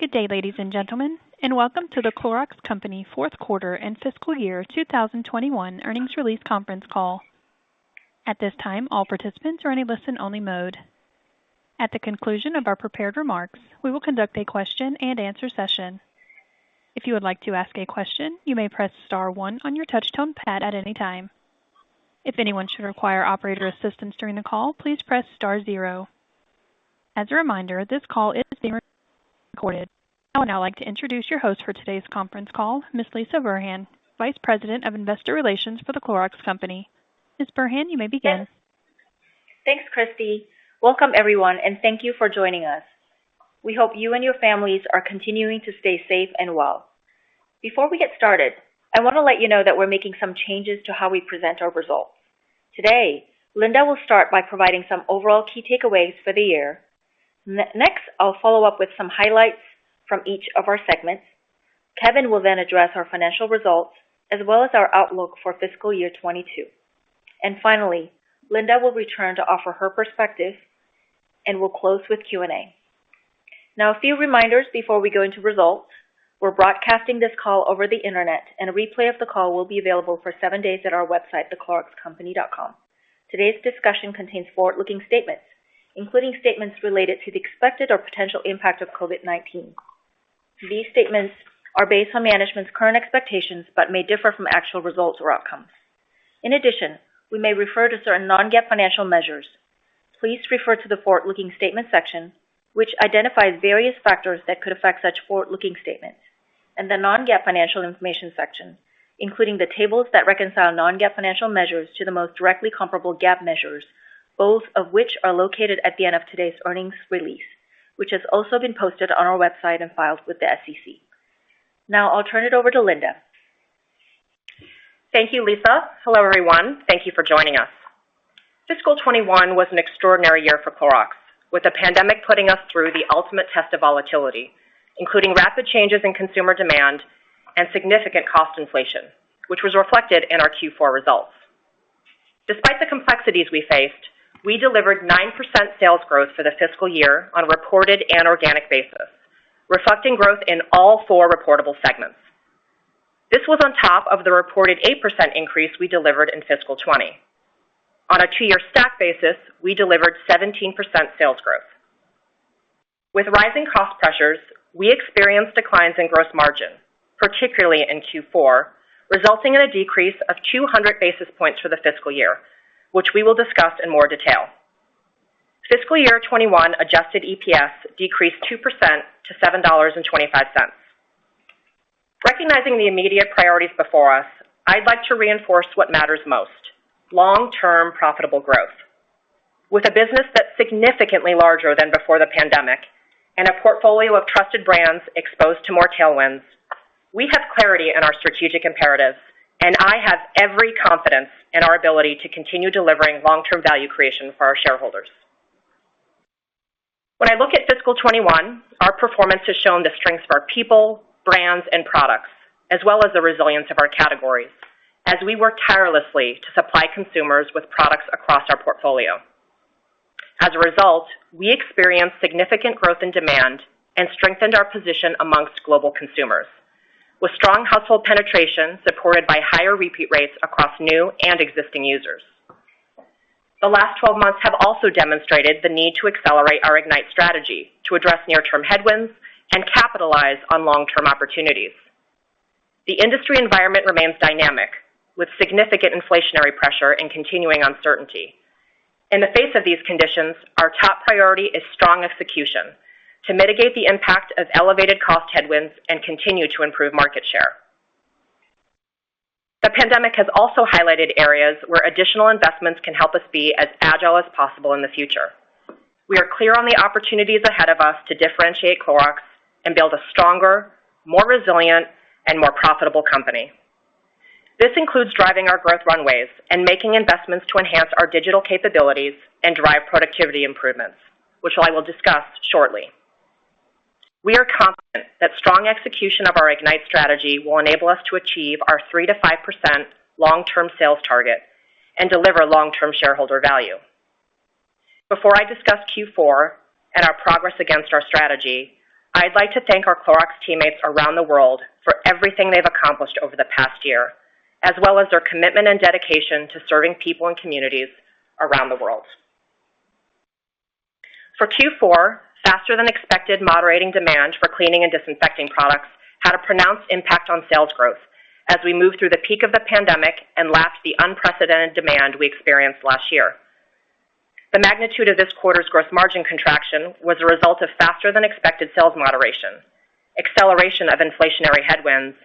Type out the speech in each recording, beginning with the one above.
Good day, ladies and gentlemen. Welcome to The Clorox Company fourth quarter and fiscal year 2021 earnings release conference call. At this time, all participants are in a listen-only mode. At the conclusion of our prepared remarks, we will conduct a question and answer session. If you would like to ask a question, you may press star one on your touch tone pad at any time. If anyone should require operator assistance during the call, please press star zero. As a reminder, this call is being recorded. I would now like to introduce your host for today's conference call, Ms. Lisah Burhan, Vice President of Investor Relations for The Clorox Company. Ms. Burhan, you may begin. Thanks, Christy. Welcome, everyone, thank you for joining us. We hope you and your families are continuing to stay safe and well. Before we get started, I want to let you know that we're making some changes to how we present our results. Today, Linda will start by providing some overall key takeaways for the year. Next, I'll follow up with some highlights from each of our segments. Kevin will then address our financial results, as well as our outlook for fiscal year 2022. Finally, Linda will return to offer her perspective, and we'll close with Q&A. Now, a few reminders before we go into results. We're broadcasting this call over the Internet, and a replay of the call will be available for seven days at our website, thecloroxcompany.com. Today's discussion contains forward-looking statements, including statements related to the expected or potential impact of COVID-19. These statements are based on management's current expectations but may differ from actual results or outcomes. In addition, we may refer to certain non-GAAP financial measures. Please refer to the Forward-Looking Statements section, which identifies various factors that could affect such forward-looking statements, and the Non-GAAP Financial Information section, including the tables that reconcile non-GAAP financial measures to the most directly comparable GAAP measures, both of which are located at the end of today's earnings release, which has also been posted on our website and filed with the SEC. Now, I'll turn it over to Linda. Thank you, Lisah. Hello, everyone. Thank you for joining us. Fiscal 2021 was an extraordinary year for Clorox, with the pandemic putting us through the ultimate test of volatility, including rapid changes in consumer demand and significant cost inflation, which was reflected in our Q4 results. Despite the complexities we faced, we delivered 9% sales growth for the fiscal year on a reported and organic basis, reflecting growth in all four reportable segments. This was on top of the reported 8% increase we delivered in fiscal 2020. On a two-year stack basis, we delivered 17% sales growth. With rising cost pressures, we experienced declines in gross margin, particularly in Q4, resulting in a decrease of 200 basis points for the fiscal year, which we will discuss in more detail. Fiscal year 2021 adjusted EPS decreased 2% to $7.25. Recognizing the immediate priorities before us, I'd like to reinforce what matters most, long-term profitable growth. With a business that's significantly larger than before the pandemic and a portfolio of trusted brands exposed to more tailwinds, we have clarity in our strategic imperatives, and I have every confidence in our ability to continue delivering long-term value creation for our shareholders. When I look at fiscal 2021, our performance has shown the strengths of our people, brands, and products, as well as the resilience of our categories, as we work tirelessly to supply consumers with products across our portfolio. As a result, we experienced significant growth in demand and strengthened our position amongst global consumers, with strong household penetration supported by higher repeat rates across new and existing users. The last 12 months have also demonstrated the need to accelerate our IGNITE strategy to address near-term headwinds and capitalize on long-term opportunities. The industry environment remains dynamic, with significant inflationary pressure and continuing uncertainty. In the face of these conditions, our top priority is strong execution to mitigate the impact of elevated cost headwinds and continue to improve market share. The pandemic has also highlighted areas where additional investments can help us be as agile as possible in the future. We are clear on the opportunities ahead of us to differentiate Clorox and build a stronger, more resilient, and more profitable company. This includes driving our growth runways and making investments to enhance our digital capabilities and drive productivity improvements, which I will discuss shortly. We are confident that strong execution of our IGNITE strategy will enable us to achieve our 3%-5% long-term sales target and deliver long-term shareholder value. Before I discuss Q4 and our progress against our strategy, I'd like to thank our Clorox teammates around the world for everything they've accomplished over the past year, as well as their commitment and dedication to serving people and communities around the world. For Q4, faster-than-expected moderating demand for Cleaning and disinfecting products had a pronounced impact on sales growth as we moved through the peak of the pandemic and lapped the unprecedented demand we experienced last year. The magnitude of this quarter's gross margin contraction was a result of faster-than-expected sales moderation, acceleration of inflationary headwinds,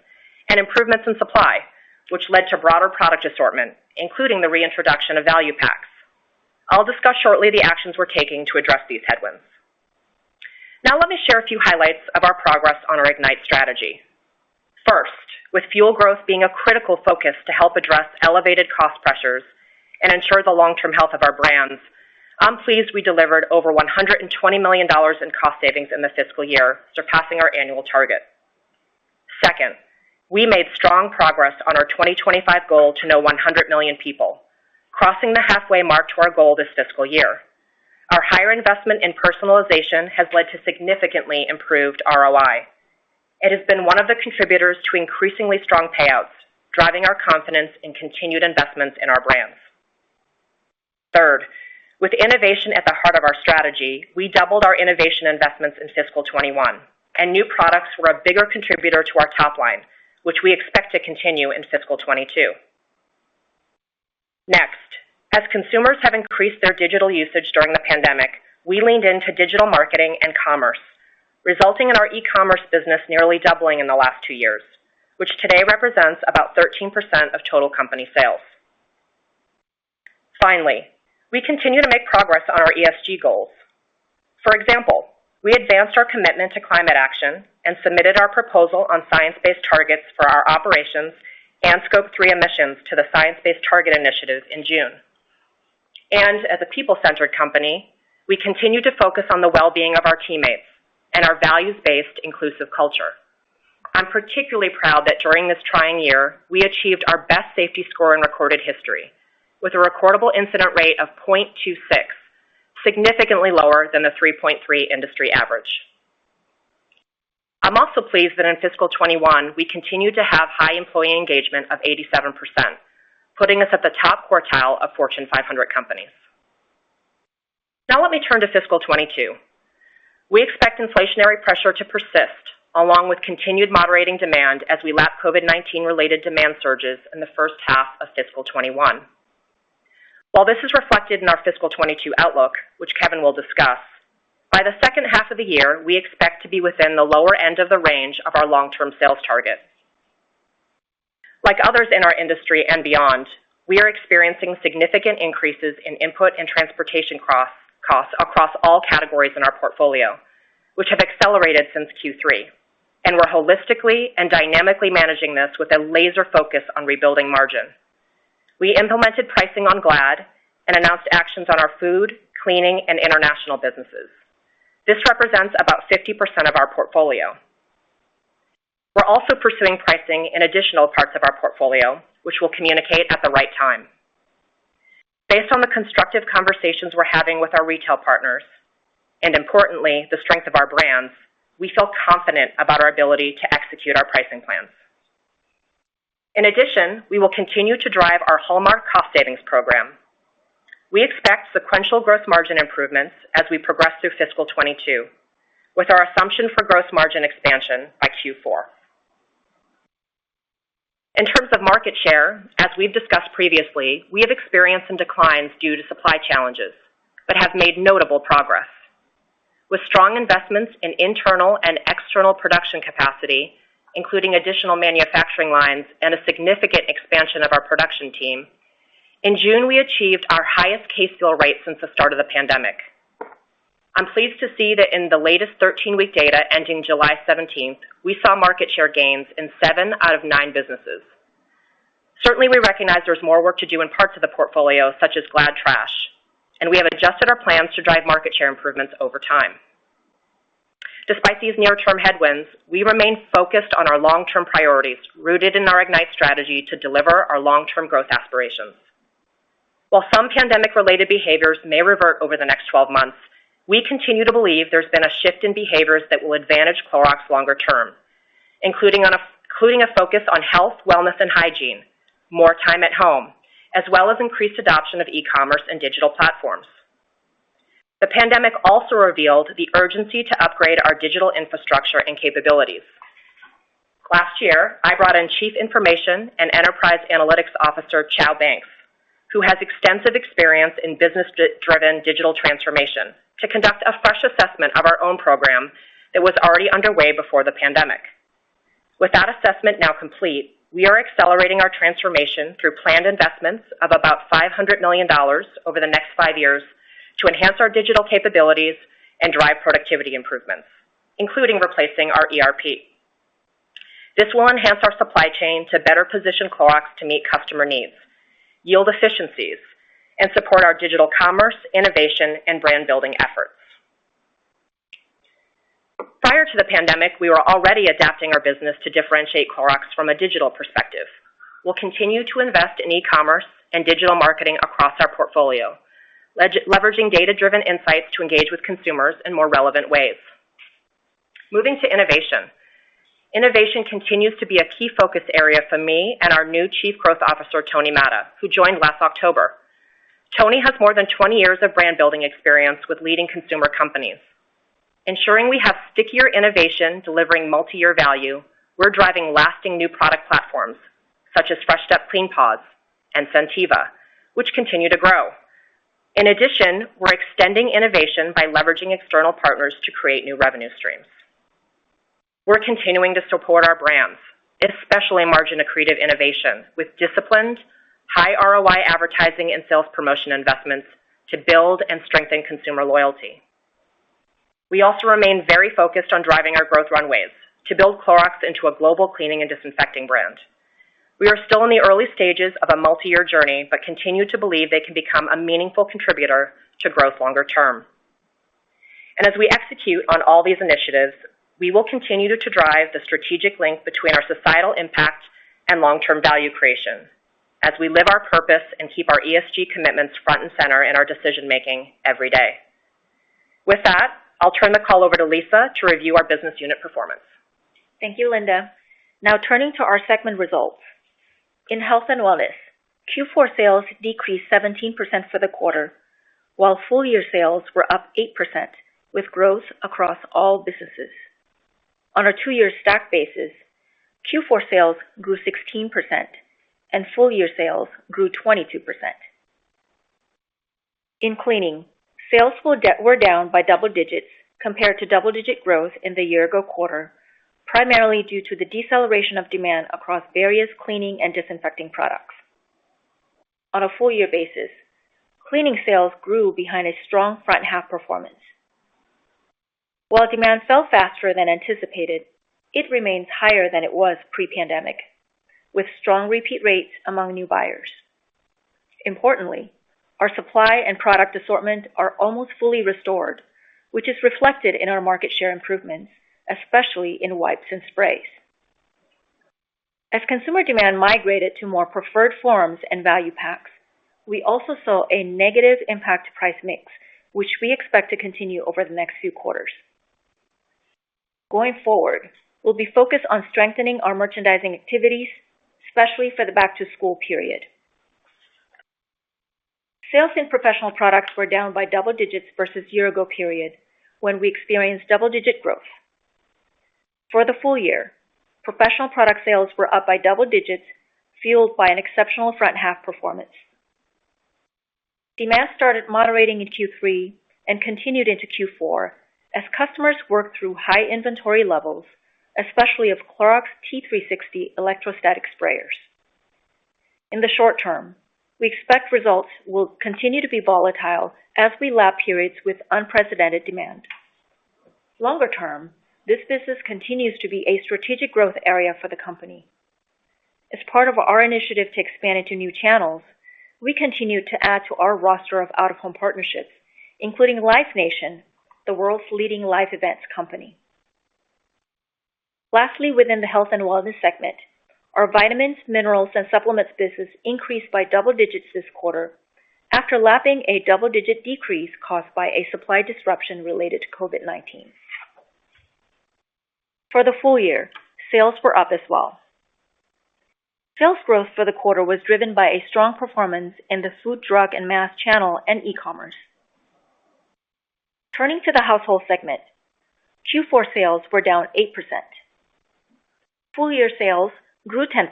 and improvements in supply, which led to broader product assortment, including the reintroduction of value packs. I'll discuss shortly the actions we're taking to address these headwinds. Let me share a few highlights of our progress on our IGNITE strategy. First, with fuel growth being a critical focus to help address elevated cost pressures and ensure the long-term health of our brands, I'm pleased we delivered over $120 million in cost savings in this fiscal year, surpassing our annual target. Second, we made strong progress on our 2025 goal to know 100 million people, crossing the halfway mark to our goal this fiscal year. Our higher investment in personalization has led to significantly improved ROI. It has been one of the contributors to increasingly strong payouts, driving our confidence in continued investments in our brands. Third, with innovation at the heart of our strategy, we doubled our innovation investments in fiscal 2021, and new products were a bigger contributor to our top line, which we expect to continue in fiscal 2022. Next, as consumers have increased their digital usage during the pandemic, we leaned into digital marketing and commerce, resulting in our e-commerce business nearly doubling in the last two years, which today represents about 13% of total company sales. Finally, we continue to make progress on our ESG goals. For example, we advanced our commitment to climate action and submitted our proposal on science-based targets for our operations and scope three emissions to the Science Based Targets initiative in June. As a people-centered company, we continue to focus on the well-being of our teammates and our values-based, inclusive culture. I'm particularly proud that during this trying year, we achieved our best safety score in recorded history with a recordable incident rate of 0.26, significantly lower than the 3.3 industry average. I'm also pleased that in fiscal 2021, we continued to have high employee engagement of 87%, putting us at the top quartile of Fortune 500 companies. Let me turn to fiscal 2022. We expect inflationary pressure to persist, along with continued moderating demand as we lap COVID-19 related demand surges in the first half of fiscal 2021. While this is reflected in our fiscal 2022 outlook, which Kevin will discuss, by the second half of the year, we expect to be within the lower end of the range of our long-term sales targets. Like others in our industry and beyond, we are experiencing significant increases in input and transportation costs across all categories in our portfolio, which have accelerated since Q3, and we're holistically and dynamically managing this with a laser focus on rebuilding margin. We implemented pricing on Glad and announced actions on our food, cleaning, and international businesses. This represents about 50% of our portfolio. We're also pursuing pricing in additional parts of our portfolio, which we'll communicate at the right time. Based on the constructive conversations we're having with our retail partners, and importantly, the strength of our brands, we feel confident about our ability to execute our pricing plans. In addition, we will continue to drive our hallmark cost savings program. We expect sequential growth margin improvements as we progress through fiscal 2022, with our assumption for growth margin expansion by Q4. In terms of market share, as we've discussed previously, we have experienced some declines due to supply challenges, but have made notable progress. With strong investments in internal and external production capacity, including additional manufacturing lines and a significant expansion of our production team, in June, we achieved our highest case fill rate since the start of the pandemic. I'm pleased to see that in the latest 13-week data ending July 17th, we saw market share gains in seven out of nine businesses. Certainly, we recognize there's more work to do in parts of the portfolio, such as Glad trash, and we have adjusted our plans to drive market share improvements over time. Despite these near-term headwinds, we remain focused on our long-term priorities, rooted in our IGNITE strategy to deliver our long-term growth aspirations. While some pandemic-related behaviors may revert over the next 12 months, we continue to believe there's been a shift in behaviors that will advantage Clorox longer term, including a focus on health, wellness, and hygiene, more time at home, as well as increased adoption of e-commerce and digital platforms. The pandemic also revealed the urgency to upgrade our digital infrastructure and capabilities. Last year, I brought in Chief Information and Enterprise Analytics Officer, Chau Banks, who has extensive experience in business-driven digital transformation, to conduct a fresh assessment of our own program that was already underway before the pandemic. With that assessment now complete, we are accelerating our transformation through planned investments of about $500 million over the next five years to enhance our digital capabilities and drive productivity improvements, including replacing our ERP. This will enhance our supply chain to better position Clorox to meet customer needs, yield efficiencies, and support our digital commerce, innovation, and brand-building efforts. Prior to the pandemic, we were already adapting our business to differentiate Clorox from a digital perspective. We'll continue to invest in e-commerce and digital marketing across our portfolio, leveraging data-driven insights to engage with consumers in more relevant ways. Moving to innovation. Innovation continues to be a key focus area for me and our new Chief Growth Officer, Tony Matta, who joined last October. Tony has more than 20 years of brand-building experience with leading consumer companies. Ensuring we have stickier innovation delivering multi-year value, we're driving lasting new product platforms, such as Fresh Step Clean Paws and Scentiva, which continue to grow. In addition, we're extending innovation by leveraging external partners to create new revenue streams. We're continuing to support our brands, especially margin-accretive innovation, with disciplined, high ROI advertising and sales promotion investments to build and strengthen consumer loyalty. We also remain very focused on driving our growth runways to build Clorox into a global cleaning and disinfecting brand. We are still in the early stages of a multi-year journey, but continue to believe they can become a meaningful contributor to growth longer term. As we execute on all these initiatives, we will continue to drive the strategic link between our societal impact and long-term value creation as we live our purpose and keep our ESG commitments front and center in our decision-making every day. With that, I'll turn the call over to Lisah to review our business unit performance. Thank you, Linda. Now turning to our segment results. In Health and Wellness, Q4 sales decreased 17% for the quarter, while full-year sales were up 8%, with growth across all businesses. On a two-year stack basis, Q4 sales grew 16%, and full-year sales grew 22%. In Cleaning, sales were down by double digits compared to double-digit growth in the year-ago quarter, primarily due to the deceleration of demand across various cleaning and disinfecting products. On a full-year basis, Cleaning sales grew behind a strong front-half performance. While demand fell faster than anticipated, it remains higher than it was pre-pandemic, with strong repeat rates among new buyers. Importantly, our supply and product assortment are almost fully restored, which is reflected in our market share improvements, especially in wipes and sprays. As consumer demand migrated to more preferred forms and value packs, we also saw a negative impact to price mix, which we expect to continue over the next few quarters. Going forward, we'll be focused on strengthening our merchandising activities, especially for the back-to-school period. Sales in professional products were down by double digits versus year-ago period, when we experienced double-digit growth. For the full year, professional product sales were up by double digits, fueled by an exceptional front-half performance. Demand started moderating in Q3 and continued into Q4 as customers worked through high inventory levels, especially of Clorox T360 electrostatic sprayers. In the short term, we expect results will continue to be volatile as we lap periods with unprecedented demand. Longer term, this business continues to be a strategic growth area for the company. As part of our initiative to expand into new channels, we continue to add to our roster of out-of-home partnerships, including Live Nation, the world's leading live events company. Lastly, within the Health and Wellness segment, our vitamins, minerals, and supplements business increased by double digits this quarter after lapping a double-digit decrease caused by a supply disruption related to COVID-19. For the full year, sales were up as well. Sales growth for the quarter was driven by a strong performance in the food, drug, and mass channel and e-commerce. Turning to the Household segment, Q4 sales were down 8%. Full-year sales grew 10%,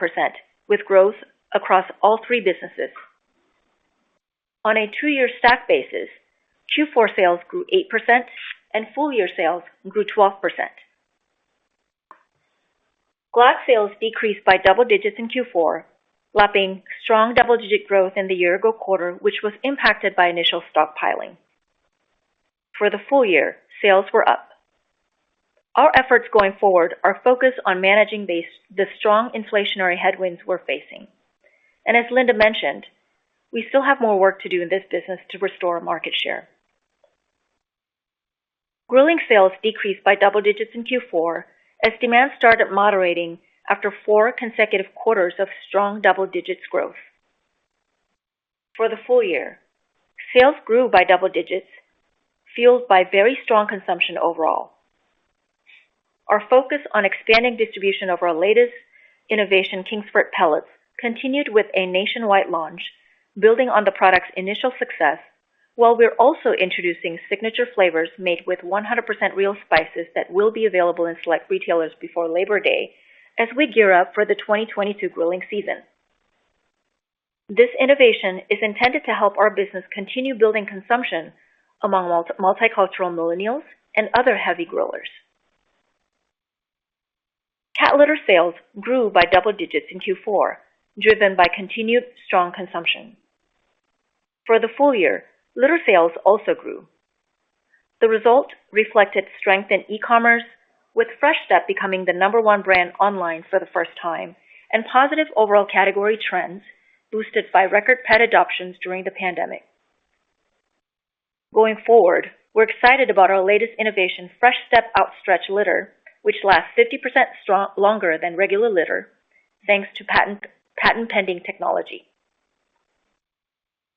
with growth across all three businesses. On a two-year stack basis, Q4 sales grew 8%, and full-year sales grew 12%. Glad sales decreased by double digits in Q4, lapping strong double-digit growth in the year-ago quarter, which was impacted by initial stockpiling. For the full year, sales were up. Our efforts going forward are focused on managing the strong inflationary headwinds we're facing. As Linda mentioned, we still have more work to do in this business to restore market share. Grilling sales decreased by double digits in Q4 as demand started moderating after four consecutive quarters of strong double-digit growth. For the full year, sales grew by double digits, fueled by very strong consumption overall. Our focus on expanding distribution of our latest innovation, Kingsford Pellets, continued with a nationwide launch, building on the product's initial success, while we're also introducing signature flavors made with 100% real spices that will be available in select retailers before Labor Day, as we gear up for the 2022 grilling season. This innovation is intended to help our business continue building consumption among multicultural millennials and other heavy grillers. Cat litter sales grew by double digits in Q4, driven by continued strong consumption. For the full year, litter sales also grew. The result reflected strength in e-commerce, with Fresh Step becoming the number one brand online for the first time, and positive overall category trends boosted by record pet adoptions during the pandemic. Going forward, we're excited about our latest innovation, Fresh Step Outstretch litter, which lasts 50% longer than regular litter, thanks to patent-pending technology.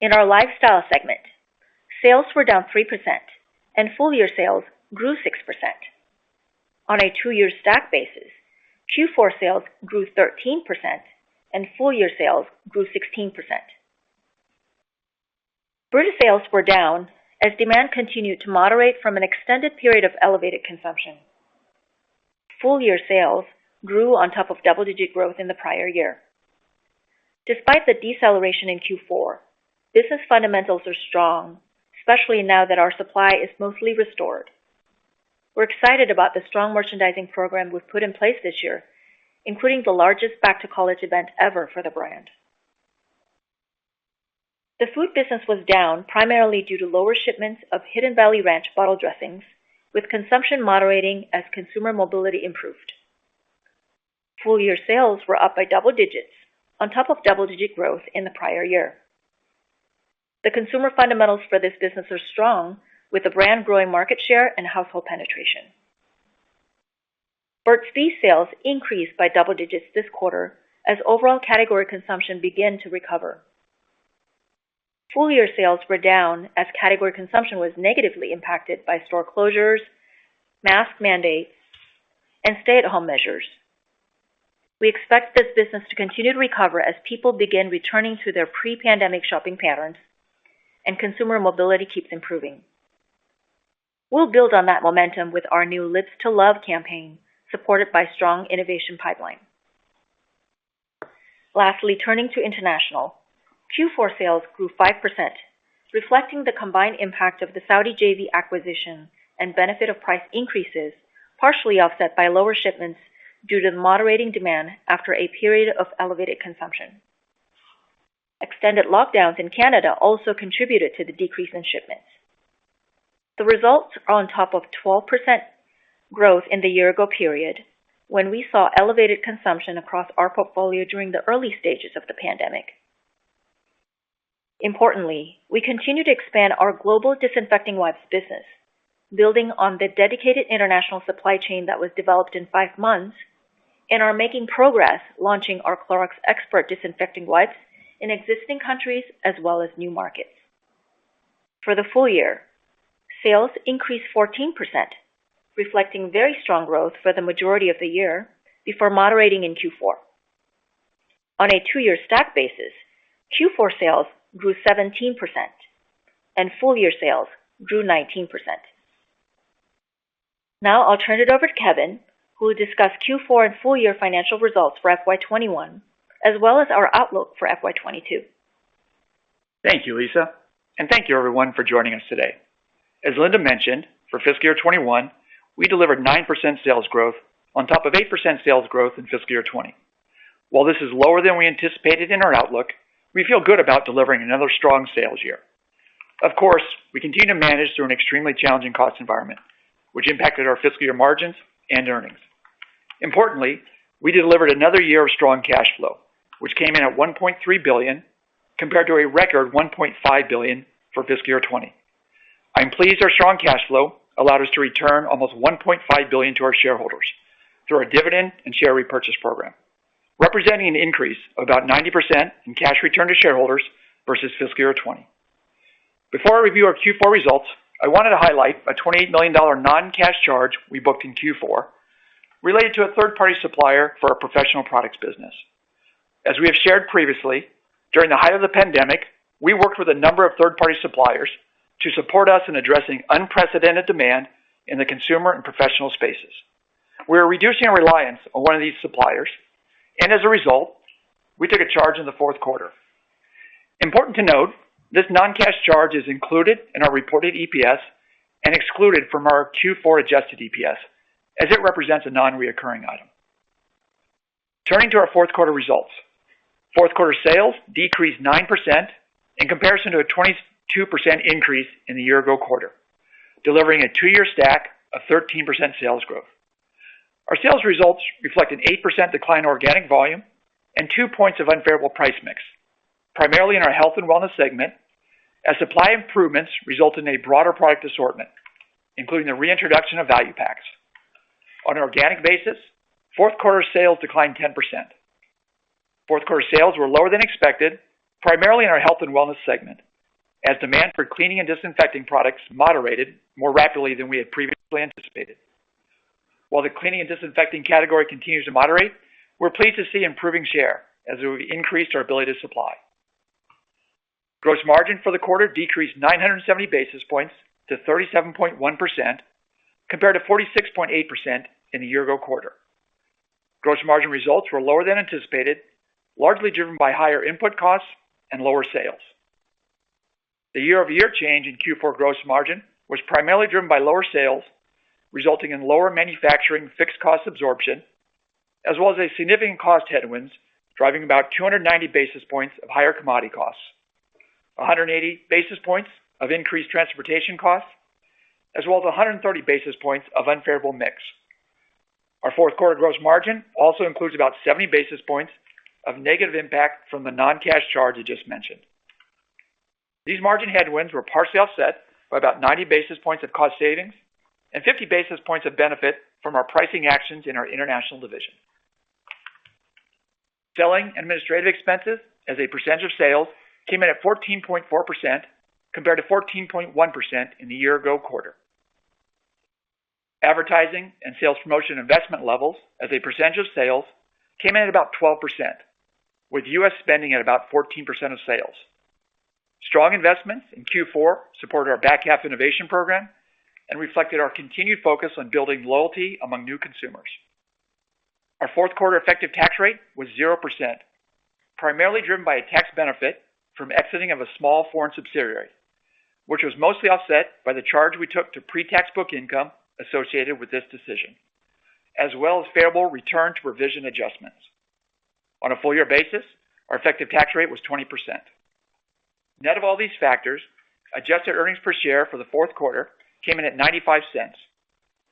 In our lifestyle segment, sales were down 3%, and full-year sales grew 6%. On a two-year stack basis, Q4 sales grew 13%, and full-year sales grew 16%. Brita sales were down as demand continued to moderate from an extended period of elevated consumption. Full-year sales grew on top of double-digit growth in the prior year. Despite the deceleration in Q4, business fundamentals are strong, especially now that our supply is mostly restored. We're excited about the strong merchandising program we've put in place this year, including the largest back-to-college event ever for the brand. The food business was down primarily due to lower shipments of Hidden Valley Ranch bottle dressings, with consumption moderating as consumer mobility improved. Full-year sales were up by double digits on top of double-digit growth in the prior year. The consumer fundamentals for this business are strong, with the brand growing market share and household penetration. Burt's Bees sales increased by double digits this quarter as overall category consumption began to recover. Full-year sales were down as category consumption was negatively impacted by store closures, mask mandates, and stay-at-home measures. We expect this business to continue to recover as people begin returning to their pre-pandemic shopping patterns and consumer mobility keeps improving. We'll build on that momentum with our new Lips to Love campaign, supported by strong innovation pipeline. Lastly, turning to international. Q4 sales grew 5%, reflecting the combined impact of the Saudi JV acquisition and benefit of price increases, partially offset by lower shipments due to the moderating demand after a period of elevated consumption. Extended lockdowns in Canada also contributed to the decrease in shipments. The results are on top of 12% growth in the year-ago period, when we saw elevated consumption across our portfolio during the early stages of the pandemic. Importantly, we continue to expand our global disinfecting wipes business, building on the dedicated international supply chain that was developed in five months, and are making progress launching our Clorox Expert disinfecting wipes in existing countries as well as new markets. For the full year, sales increased 14%, reflecting very strong growth for the majority of the year before moderating in Q4. On a two-year stack basis, Q4 sales grew 17% and full-year sales grew 19%. Now I'll turn it over to Kevin, who will discuss Q4 and full-year financial results for FY 2021, as well as our outlook for FY 2022. Thank you, Lisah. Thank you everyone for joining us today. As Linda mentioned, for fiscal year 2021, we delivered 9% sales growth on top of 8% sales growth in fiscal year 2020. While this is lower than we anticipated in our outlook, we feel good about delivering another strong sales year. Of course, we continue to manage through an extremely challenging cost environment, which impacted our fiscal year margins and earnings. Importantly, we delivered another year of strong cash flow, which came in at $1.3 billion, compared to a record $1.5 billion for fiscal year 2020. I'm pleased our strong cash flow allowed us to return almost $1.5 billion to our shareholders through our dividend and share repurchase program, representing an increase of about 90% in cash returned to shareholders versus fiscal year 2020. Before I review our Q4 results, I wanted to highlight a $28 million non-cash charge we booked in Q4 related to a third-party supplier for our professional products business. As we have shared previously, during the height of the pandemic, we worked with a number of third-party suppliers to support us in addressing unprecedented demand in the consumer and professional spaces. We are reducing our reliance on one of these suppliers. As a result, we took a charge in the fourth quarter. Important to note, this non-cash charge is included in our reported EPS and excluded from our Q4 adjusted EPS, as it represents a non-reoccurring item. Turning to our fourth quarter results. Fourth quarter sales decreased 9% in comparison to a 22% increase in the year-ago quarter, delivering a two-year stack of 13% sales growth. Our sales results reflect an 8% decline in organic volume and two points of unfavorable price mix, primarily in our Health and Wellness segment, as supply improvements result in a broader product assortment, including the reintroduction of value packs. On an organic basis, fourth quarter sales declined 10%. Fourth quarter sales were lower than expected, primarily in our Health and Wellness segment, as demand for cleaning and disinfecting products moderated more rapidly than we had previously anticipated. The cleaning and disinfecting category continues to moderate, we're pleased to see improving share as we've increased our ability to supply. Gross margin for the quarter decreased 970 basis points to 37.1%, compared to 46.8% in the year-ago quarter. Gross margin results were lower than anticipated, largely driven by higher input costs and lower sales. The year-over-year change in Q4 gross margin was primarily driven by lower sales, resulting in lower manufacturing fixed cost absorption, as well as a significant cost headwinds, driving about 290 basis points of higher commodity costs, 180 basis points of increased transportation costs, as well as 130 basis points of unfavorable mix. Our fourth quarter gross margin also includes about 70 basis points of negative impact from the non-cash charge I just mentioned. These margin headwinds were partially offset by about 90 basis points of cost savings and 50 basis points of benefit from our pricing actions in our International division. Selling administrative expenses as a percentage of sales came in at 14.4%, compared to 14.1% in the year-ago quarter. Advertising and sales promotion investment levels as a percentage of sales came in at about 12%, with U.S. spending at about 14% of sales. Strong investments in Q4 supported our back half innovation program and reflected our continued focus on building loyalty among new consumers. Our fourth quarter effective tax rate was 0%, primarily driven by a tax benefit from exiting of a small foreign subsidiary, which was mostly offset by the charge we took to pre-tax book income associated with this decision, as well as favorable return to provision adjustments. On a full-year basis, our effective tax rate was 20%. Net of all these factors, adjusted earnings per share for the fourth quarter came in at $0.95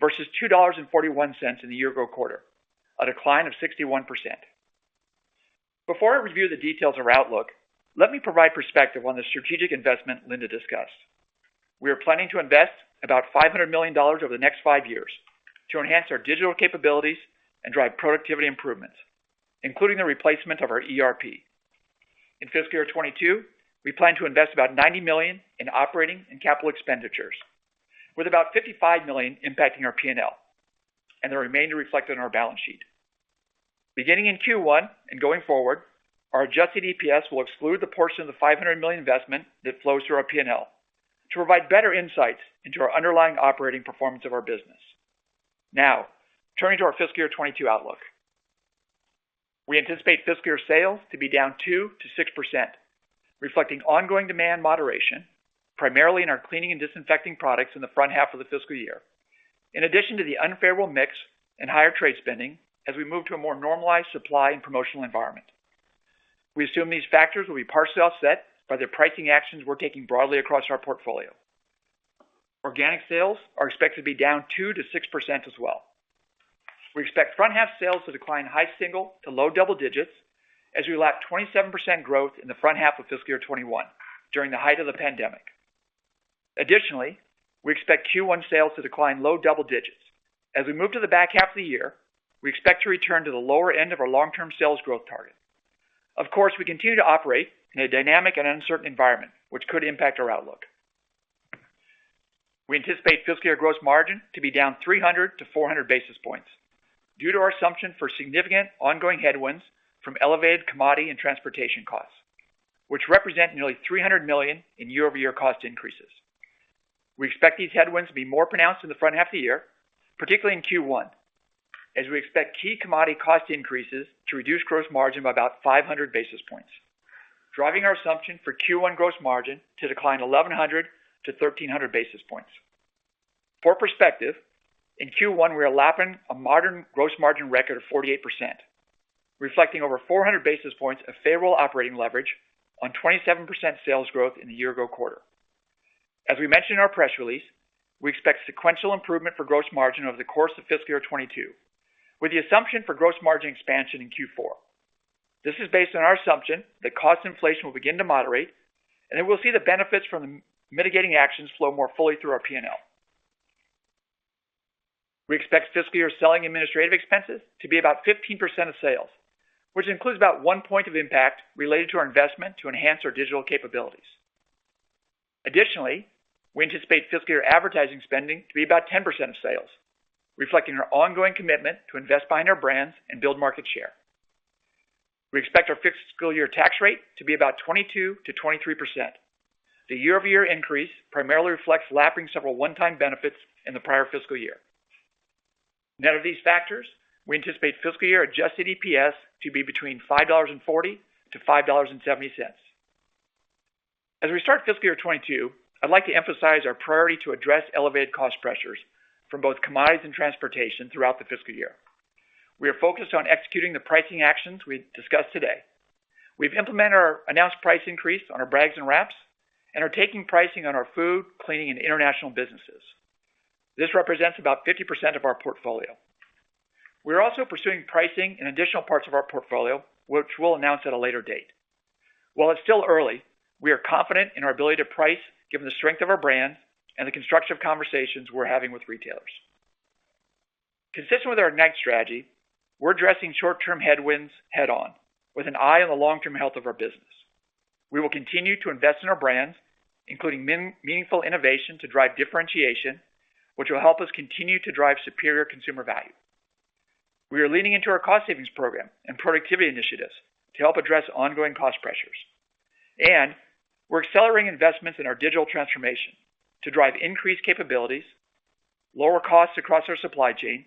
versus $2.41 in the year-ago quarter, a decline of 61%. Before I review the details of our outlook, let me provide perspective on the strategic investment Linda discussed. We are planning to invest about $500 million over the next five years to enhance our digital capabilities and drive productivity improvements, including the replacement of our ERP. In fiscal year 2022, we plan to invest about $90 million in operating and capital expenditures, with about $55 million impacting our P&L, and the remainder reflected on our balance sheet. Beginning in Q1 and going forward, our adjusted EPS will exclude the portion of the $500 million investment that flows through our P&L to provide better insights into our underlying operating performance of our business. Turning to our fiscal year 2022 outlook. We anticipate fiscal year sales to be down 2%-6%, reflecting ongoing demand moderation, primarily in our cleaning and disinfecting products in the front half of the fiscal year, in addition to the unfavorable mix and higher trade spending as we move to a more normalized supply and promotional environment. We assume these factors will be partially offset by the pricing actions we are taking broadly across our portfolio. Organic sales are expected to be down 2%-6% as well. We expect front half sales to decline high single to low double digits as we lap 27% growth in the front half of fiscal year 2021 during the height of the pandemic. Additionally, we expect Q1 sales to decline low double digits. As we move to the back half of the year, we expect to return to the lower end of our long-term sales growth target. Of course, we continue to operate in a dynamic and uncertain environment, which could impact our outlook. We anticipate fiscal year gross margin to be down 300-400 basis points due to our assumption for significant ongoing headwinds from elevated commodity and transportation costs, which represent nearly $300 million in year-over-year cost increases. We expect these headwinds to be more pronounced in the front half of the year, particularly in Q1, as we expect key commodity cost increases to reduce gross margin by about 500 basis points, driving our assumption for Q1 gross margin to decline 1,100 basis points-1,300 basis points. For perspective, in Q1, we are lapping a modern gross margin record of 48%, reflecting over 400 basis points of favorable operating leverage on 27% sales growth in the year-ago quarter. As we mentioned in our press release, we expect sequential improvement for gross margin over the course of fiscal year 2022, with the assumption for gross margin expansion in Q4. This is based on our assumption that cost inflation will begin to moderate, and then we'll see the benefits from the mitigating actions flow more fully through our P&L. We expect fiscal year selling administrative expenses to be about 15% of sales, which includes about one point of impact related to our investment to enhance our digital capabilities. We anticipate fiscal year advertising spending to be about 10% of sales, reflecting our ongoing commitment to invest behind our brands and build market share. We expect our fiscal year tax rate to be about 22%-23%. The year-over-year increase primarily reflects lapping several one-time benefits in the prior fiscal year. Net of these factors, we anticipate fiscal year adjusted EPS to be between $5.40-$5.70. As we start fiscal year 2022, I'd like to emphasize our priority to address elevated cost pressures from both commodities and transportation throughout the fiscal year. We are focused on executing the pricing actions we discussed today. We've implemented our announced price increase on our Bags and Wraps and are taking pricing on our Food, Cleaning, and International businesses. This represents about 50% of our portfolio. We're also pursuing pricing in additional parts of our portfolio, which we'll announce at a later date. While it's still early, we are confident in our ability to price given the strength of our brand and the constructive conversations we're having with retailers. Consistent with our IGNITE strategy, we're addressing short-term headwinds head-on with an eye on the long-term health of our business. We will continue to invest in our brands, including meaningful innovation to drive differentiation, which will help us continue to drive superior consumer value. We are leaning into our cost savings program and productivity initiatives to help address ongoing cost pressures. We're accelerating investments in our digital transformation to drive increased capabilities, lower costs across our supply chain,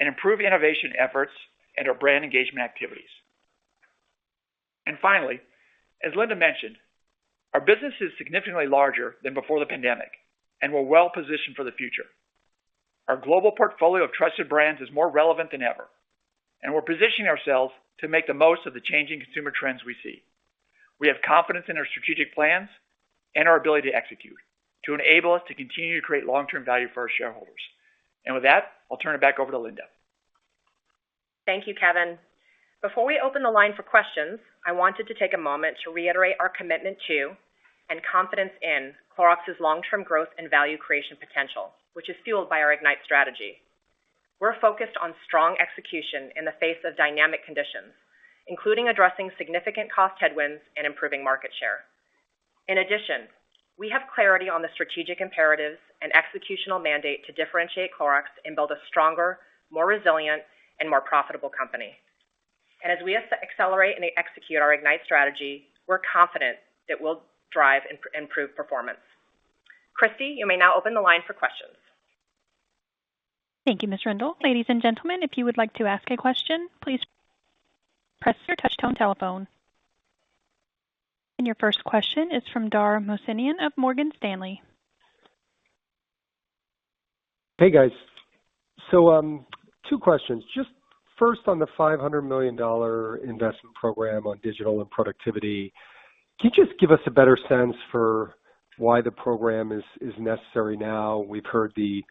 and improve innovation efforts and our brand engagement activities. Finally, as Linda mentioned, our business is significantly larger than before the pandemic, and we're well-positioned for the future. Our global portfolio of trusted brands is more relevant than ever, and we're positioning ourselves to make the most of the changing consumer trends we see. We have confidence in our strategic plans and our ability to execute to enable us to continue to create long-term value for our shareholders. With that, I'll turn it back over to Linda. Thank you, Kevin. Before we open the line for questions, I wanted to take a moment to reiterate our commitment to and confidence in Clorox's long-term growth and value creation potential, which is fueled by our IGNITE strategy. We're focused on strong execution in the face of dynamic conditions, including addressing significant cost headwinds and improving market share. In addition, we have clarity on the strategic imperatives and executional mandate to differentiate Clorox and build a stronger, more resilient, and more profitable company. As we accelerate and execute our IGNITE strategy, we're confident that we'll drive improved performance. Christy, you may now open the line for questions. Thank you, Ms. Rendle. Your first question is from Dara Mohsenian of Morgan Stanley. Hey, guys. Two questions. First on the $500 million investment program on digital and productivity, can you just give us a better sense for why the program is necessary now? We've heard the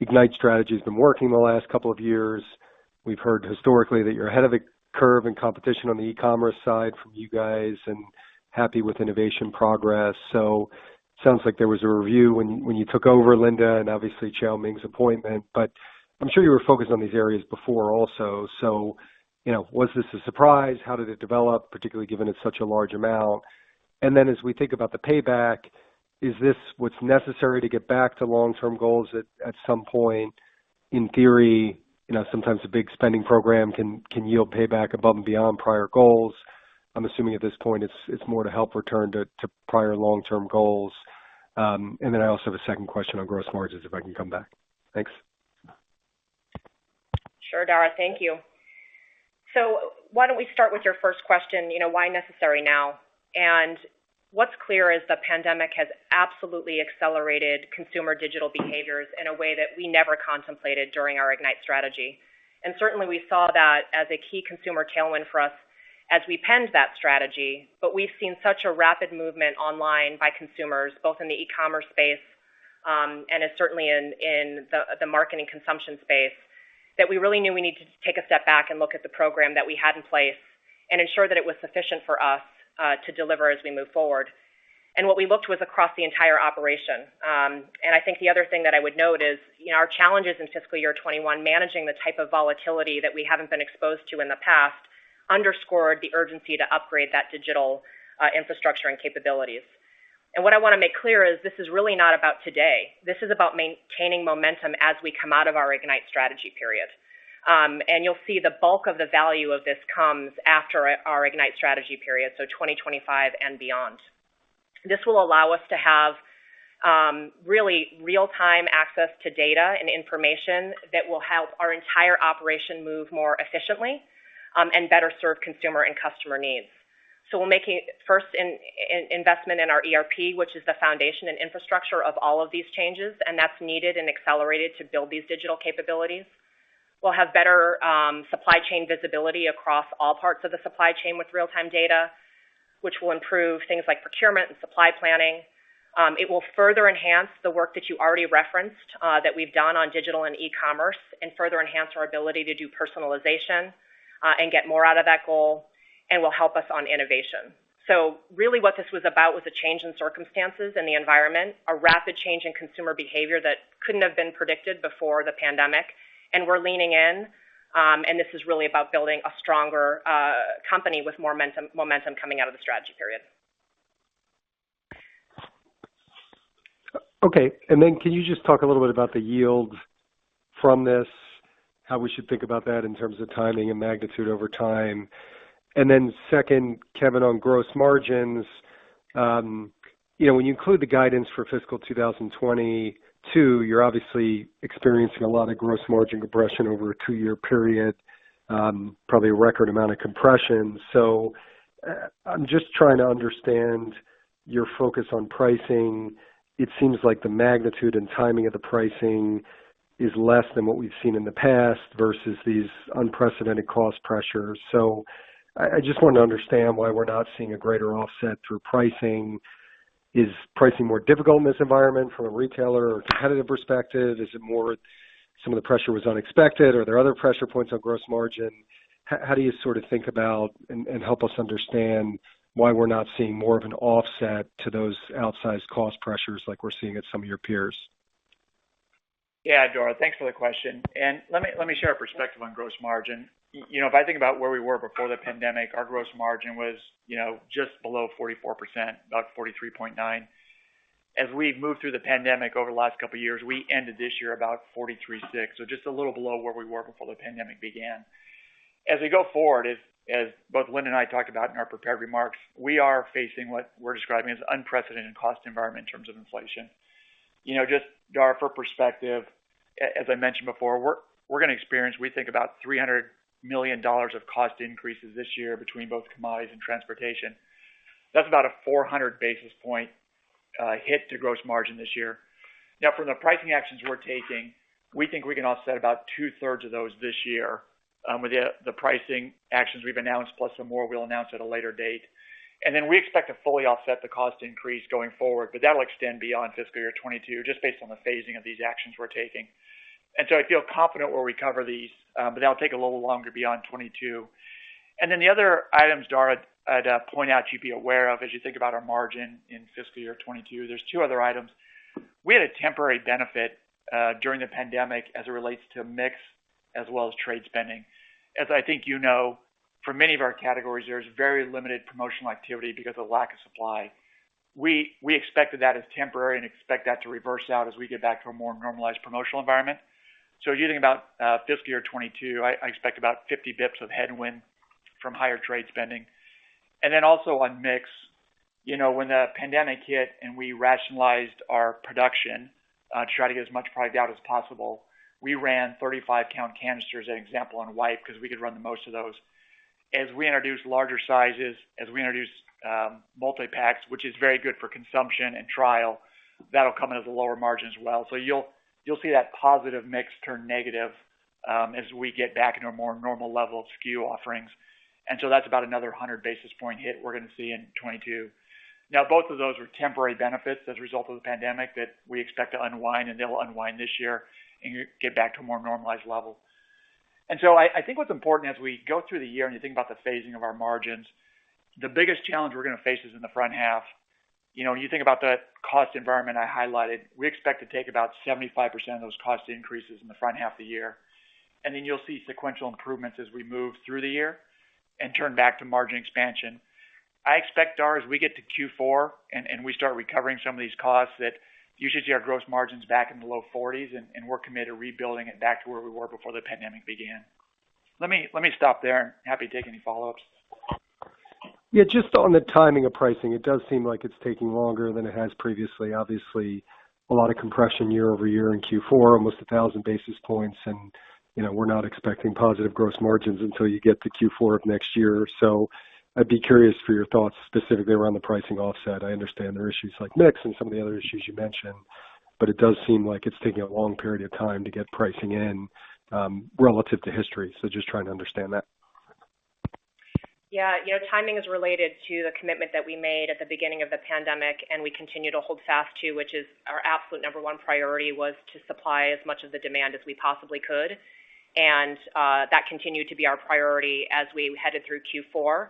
IGNITE strategy's been working the last couple of years. We've heard historically that you're ahead of the curve in competition on the e-commerce side from you guys and happy with innovation progress. Sounds like there was a review when you took over Linda, and obviously Chau Banks's appointment, but I'm sure you were focused on these areas before also. Was this a surprise? How did it develop, particularly given it's such a large amount? As we think about the payback, is this what's necessary to get back to long-term goals at some point? In theory, sometimes a big spending program can yield payback above and beyond prior goals. I'm assuming at this point it's more to help return to prior long-term goals. I also have a second question on gross margins if I can come back. Thanks. Sure, Dara. Thank you. Why don't we start with your first question, why necessary now? What's clear is the pandemic has absolutely accelerated consumer digital behaviors in a way that we never contemplated during our IGNITE strategy. Certainly we saw that as a key consumer tailwind for us as we penned that strategy. We've seen such a rapid movement online by consumers, both in the e-commerce space, and certainly in the marketing consumption space, that we really knew we needed to take a step back and look at the program that we had in place and ensure that it was sufficient for us to deliver as we move forward. What we looked was across the entire operation. I think the other thing that I would note is our challenges in fiscal year 2021, managing the type of volatility that we haven't been exposed to in the past underscored the urgency to upgrade that digital infrastructure and capabilities. What I want to make clear is this is really not about today. This is about maintaining momentum as we come out of our IGNITE strategy period. You'll see the bulk of the value of this comes after our IGNITE strategy period, so 2025 and beyond. This will allow us to have really real-time access to data and information that will help our entire operation move more efficiently, and better serve consumer and customer needs. We're making first investment in our ERP, which is the foundation and infrastructure of all of these changes, and that's needed and accelerated to build these digital capabilities. We'll have better supply chain visibility across all parts of the supply chain with real-time data, which will improve things like procurement and supply planning. It will further enhance the work that you already referenced, that we've done on digital and e-commerce, and further enhance our ability to do personalization, and get more out of that goal, and will help us on innovation. Really what this was about was a change in circumstances and the environment, a rapid change in consumer behavior that couldn't have been predicted before the pandemic, and we're leaning in. This is really about building a stronger company with momentum coming out of the strategy period. Okay. Then can you just talk a little bit about the yield from this, how we should think about that in terms of timing and magnitude over time? Then second, Kevin, on gross margins. When you include the guidance for fiscal 2022, you're obviously experiencing a lot of gross margin compression over a two-year period, probably a record amount of compression. I'm just trying to understand your focus on pricing. It seems like the magnitude and timing of the pricing is less than what we've seen in the past versus these unprecedented cost pressures. I just want to understand why we're not seeing a greater offset through pricing. Is pricing more difficult in this environment from a retailer or competitive perspective? Is it more some of the pressure was unexpected? Are there other pressure points on gross margin? How do you sort of think about and help us understand why we're not seeing more of an offset to those outsized cost pressures like we're seeing at some of your peers? Yeah, Dara, thanks for the question. Let me share a perspective on gross margin. If I think about where we were before the pandemic, our gross margin was just below 44%, about 43.9%. As we've moved through the pandemic over the last couple of years, we ended this year about 43.6%, so just a little below where we were before the pandemic began. As we go forward, as both Linda and I talked about in our prepared remarks, we are facing what we're describing as unprecedented cost environment in terms of inflation. Dara, for perspective, as I mentioned before, we're going to experience, we think about $300 million of cost increases this year between both commodities and transportation. That's about a 400 basis point hit to gross margin this year. From the pricing actions we're taking, we think we can offset about two-thirds of those this year, with the pricing actions we've announced, plus some more we'll announce at a later date. We expect to fully offset the cost increase going forward, but that'll extend beyond fiscal year 2022, just based on the phasing of these actions we're taking. I feel confident we'll recover these, but that'll take a little longer beyond 2022. The other items, Dara, I'd point out you'd be aware of as you think about our margin in fiscal year 2022, there's two other items. We had a temporary benefit during the pandemic as it relates to mix as well as trade spending. As I think you know, for many of our categories, there's very limited promotional activity because of lack of supply. We expected that as temporary and expect that to reverse out as we get back to a more normalized promotional environment. Using about fiscal year 2022, I expect about 50 basis points of headwind from higher trade spending. On mix, when the pandemic hit and we rationalized our production to try to get as much product out as possible, we ran 35-count canisters, an example on wipes because we could run the most of those. As we introduce larger sizes, as we introduce multi-packs, which is very good for consumption and trial, that'll come in as a lower margin as well. You'll see that positive mix turn negative as we get back into a more normal level of SKU offerings. That's about another 100 basis point hit we're going to see in 2022. Both of those are temporary benefits as a result of the pandemic that we expect to unwind, and they'll unwind this year and get back to a more normalized level. I think what's important as we go through the year, and you think about the phasing of our margins, the biggest challenge we're going to face is in the front half. When you think about the cost environment I highlighted, we expect to take about 75% of those cost increases in the front half of the year, you'll see sequential improvements as we move through the year and turn back to margin expansion. I expect, Dara, as we get to Q4 and we start recovering some of these costs, that you should see our gross margins back in the low 40s, and we're committed to rebuilding it back to where we were before the pandemic began. Let me stop there. I'm happy to take any follow-ups. Just on the timing of pricing, it does seem like it's taking longer than it has previously. Obviously, a lot of compression year-over-year in Q4, almost 1,000 basis points, and we're not expecting positive gross margins until you get to Q4 of next year. I'd be curious for your thoughts specifically around the pricing offset. I understand there are issues like mix and some of the other issues you mentioned, it does seem like it's taking a long period of time to get pricing in relative to history. Just trying to understand that. Yeah. Timing is related to the commitment that we made at the beginning of the pandemic, and we continue to hold fast to, which is our absolute number one priority, was to supply as much of the demand as we possibly could. That continued to be our priority as we headed through Q4.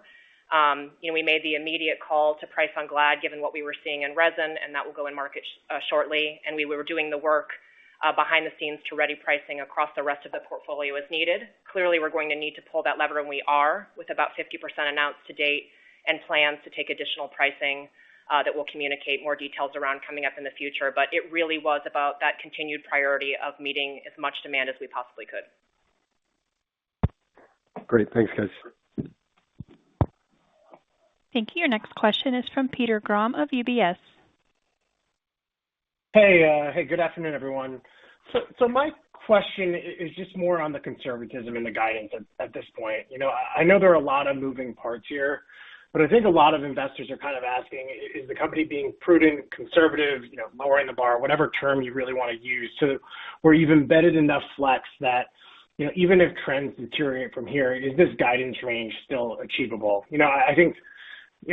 We made the immediate call to price on Glad given what we were seeing in resin, and that will go in market shortly. We were doing the work behind the scenes to ready pricing across the rest of the portfolio as needed. Clearly, we're going to need to pull that lever, and we are, with about 50% announced to date and plan to take additional pricing that we'll communicate more details around coming up in the future. It really was about that continued priority of meeting as much demand as we possibly could. Great. Thanks, guys. Thank you. Your next question is from Peter Grom of UBS. Hey. Hey, good afternoon, everyone. My question is just more on the conservatism and the guidance at this point. I know there are a lot of moving parts here, but I think a lot of investors are kind of asking, is the company being prudent, conservative, lowering the bar, whatever term you really want to use, to where you've embedded enough flex that even if trends deteriorate from here, is this guidance range still achievable?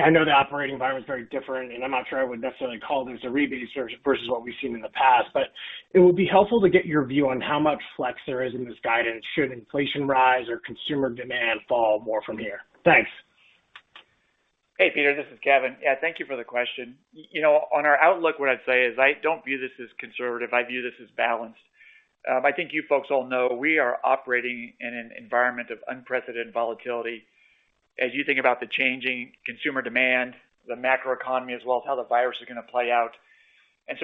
I know the operating environment is very different, and I'm not sure I would necessarily call this a rebase versus what we've seen in the past, but it would be helpful to get your view on how much flex there is in this guidance should inflation rise or consumer demand fall more from here. Thanks. Hey, Peter. This is Kevin. Yeah, thank you for the question. On our outlook, what I'd say is, I don't view this as conservative. I view this as balanced. I think you folks all know we are operating in an environment of unprecedented volatility, as you think about the changing consumer demand, the macroeconomy as well as how the virus is going to play out.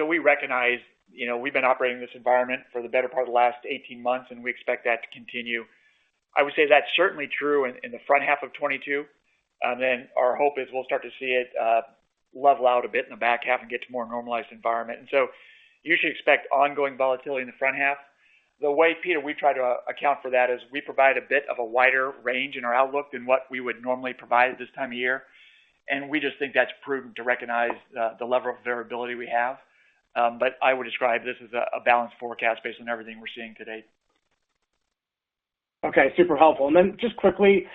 We recognize, we've been operating in this environment for the better part of the last 18 months, and we expect that to continue. I would say that's certainly true in the front half of 2022. Our hope is we'll start to see it level out a bit in the back half and get to a more normalized environment. You should expect ongoing volatility in the front half. The way, Peter, we try to account for that is we provide a bit of a wider range in our outlook than what we would normally provide at this time of year, and we just think that's prudent to recognize the level of variability we have. I would describe this as a balanced forecast based on everything we're seeing to date. Okay, super helpful. Quickly,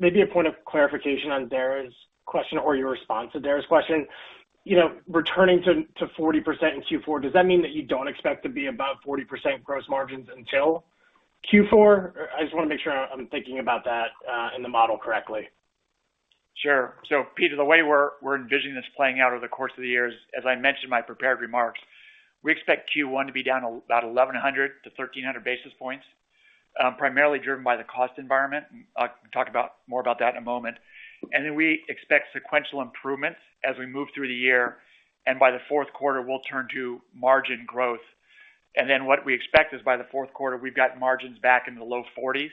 maybe a point of clarification on Dara's question or your response to Dara's question. Returning to 40% in Q4, does that mean that you don't expect to be above 40% gross margins until Q4? I just want to make sure I'm thinking about that in the model correctly. Sure. Peter, the way we're envisioning this playing out over the course of the year is, as I mentioned in my prepared remarks, we expect Q1 to be down about 1,100 basis points-1,300 basis points, primarily driven by the cost environment. I'll talk more about that in a moment. We expect sequential improvements as we move through the year, and by the fourth quarter, we'll turn to margin growth. What we expect is by the fourth quarter, we've got margins back in the low 40s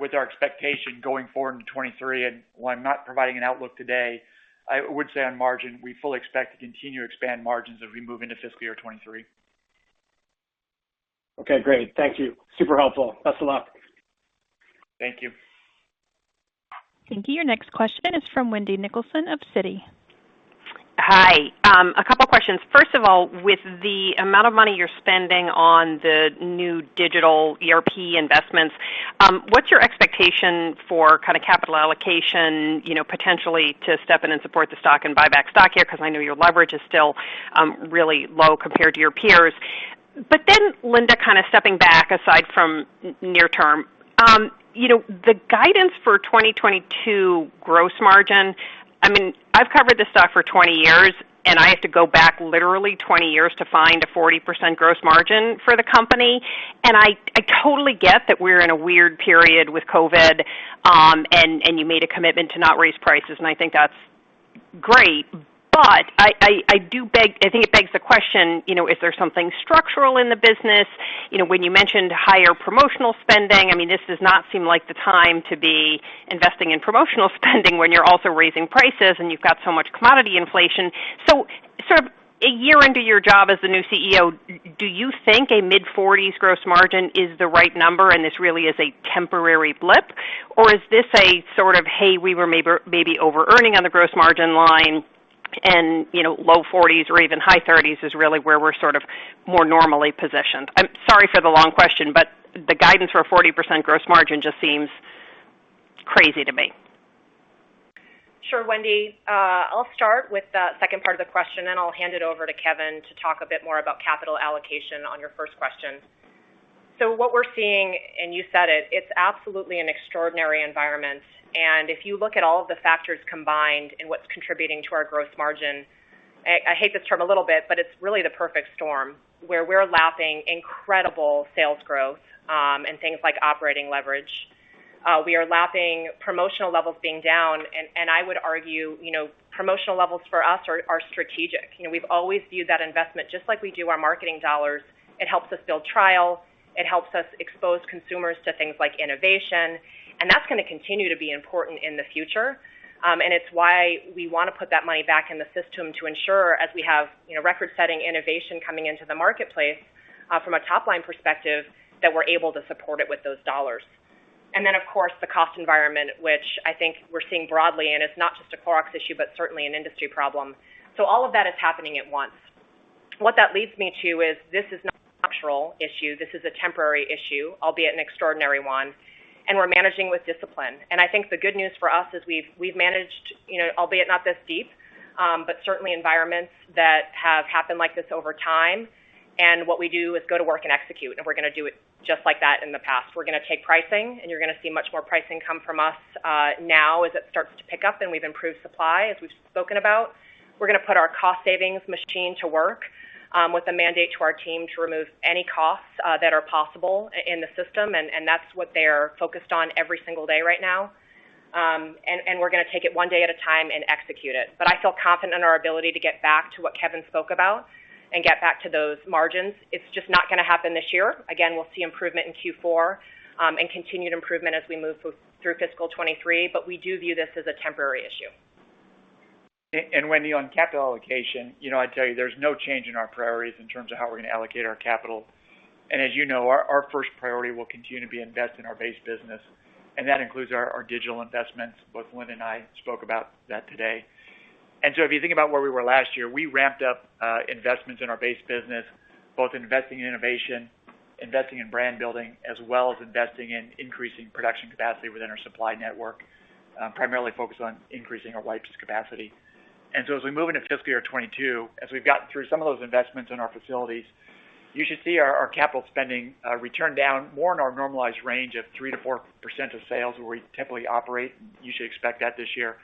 with our expectation going forward into 2023. While I'm not providing an outlook today, I would say on margin, we fully expect to continue to expand margins as we move into fiscal year 2023. Okay, great. Thank you. Super helpful. Best of luck. Thank you. Thank you. Your next question is from Wendy Nicholson of Citi. Hi. A couple questions. First of all, with the amount of money you're spending on the new digital ERP investments, what's your expectation for capital allocation potentially to step in and support the stock and buy back stock here? Because I know your leverage is still really low compared to your peers. Linda, kind of stepping back aside from near term. The guidance for 2022 gross margin, I've covered this stock for 20 years, and I have to go back literally 20 years to find a 40% gross margin for the company. I totally get that we're in a weird period with COVID-19, and you made a commitment to not raise prices, and I think that's great. I think it begs the question, is there something structural in the business? When you mentioned higher promotional spending, this does not seem like the time to be investing in promotional spending when you're also raising prices and you've got so much commodity inflation. A year into your job as the new CEO, do you think a mid-40s gross margin is the right number and this really is a temporary blip? Or is this a sort of, "Hey, we were maybe over-earning on the gross margin line, and low 40s or even high 30s is really where we're sort of more normally positioned"? I'm sorry for the long question, but the guidance for a 40% gross margin just seems crazy to me. Sure, Wendy. I'll start with the second part of the question, and I'll hand it over to Kevin to talk a bit more about capital allocation on your first question. What we are seeing, and you have said it, its absolutely an incredible environment. If you look at all of the factors combined in what's contributing to our gross margin, I hate this term a little bit, but it's really the perfect storm, where we're lapping incredible sales growth, and things like operating leverage. We are lapping promotional levels being down, and I would argue, promotional levels for us are strategic. We've always viewed that investment just like we do our marketing dollars. It helps us build trial. It helps us expose consumers to things like innovation, and that's going to continue to be important in the future. It's why we want to put that money back in the system to ensure, as we have record-setting innovation coming into the marketplace, from a top-line perspective, that we're able to support it with those dollars. Then, of course, the cost environment, which I think we're seeing broadly, and it's not just a Clorox issue, but certainly an industry problem. All of that is happening at once. What that leads me to is this is not a structural issue. This is a temporary issue, albeit an extraordinary one, and we're managing with discipline. I think the good news for us is we've managed, albeit not this deep, but certainly environments that have happened like this over time. What we do is go to work and execute, and we're going to do it just like that in the past. We're going to take pricing, and you're going to see much more pricing come from us now as it starts to pick up and we've improved supply, as we've spoken about. We're going to put our cost savings machine to work, with a mandate to our team to remove any costs that are possible in the system, and that's what they are focused on every single day right now. We're going to take it one day at a time and execute it. I feel confident in our ability to get back to what Kevin spoke about and get back to those margins. It's just not going to happen this year. Again, we'll see improvement in Q4, and continued improvement as we move through fiscal 2023, but we do view this as a temporary issue. Wendy, on capital allocation, I'd tell you there's no change in our priorities in terms of how we're going to allocate our capital. As you know, our first priority will continue to be invest in our base business, and that includes our digital investments. Both Linda and I spoke about that today. If you think about where we were last year, we ramped up investments in our base business, both investing in innovation, investing in brand building, as well as investing in increasing production capacity within our supply network, primarily focused on increasing our wipes capacity. As we move into fiscal year 2022, as we've gotten through some of those investments in our facilities, you should see our capital spending return down more in our normalized range of 3%-4% of sales, where we typically operate. You should expect that this year.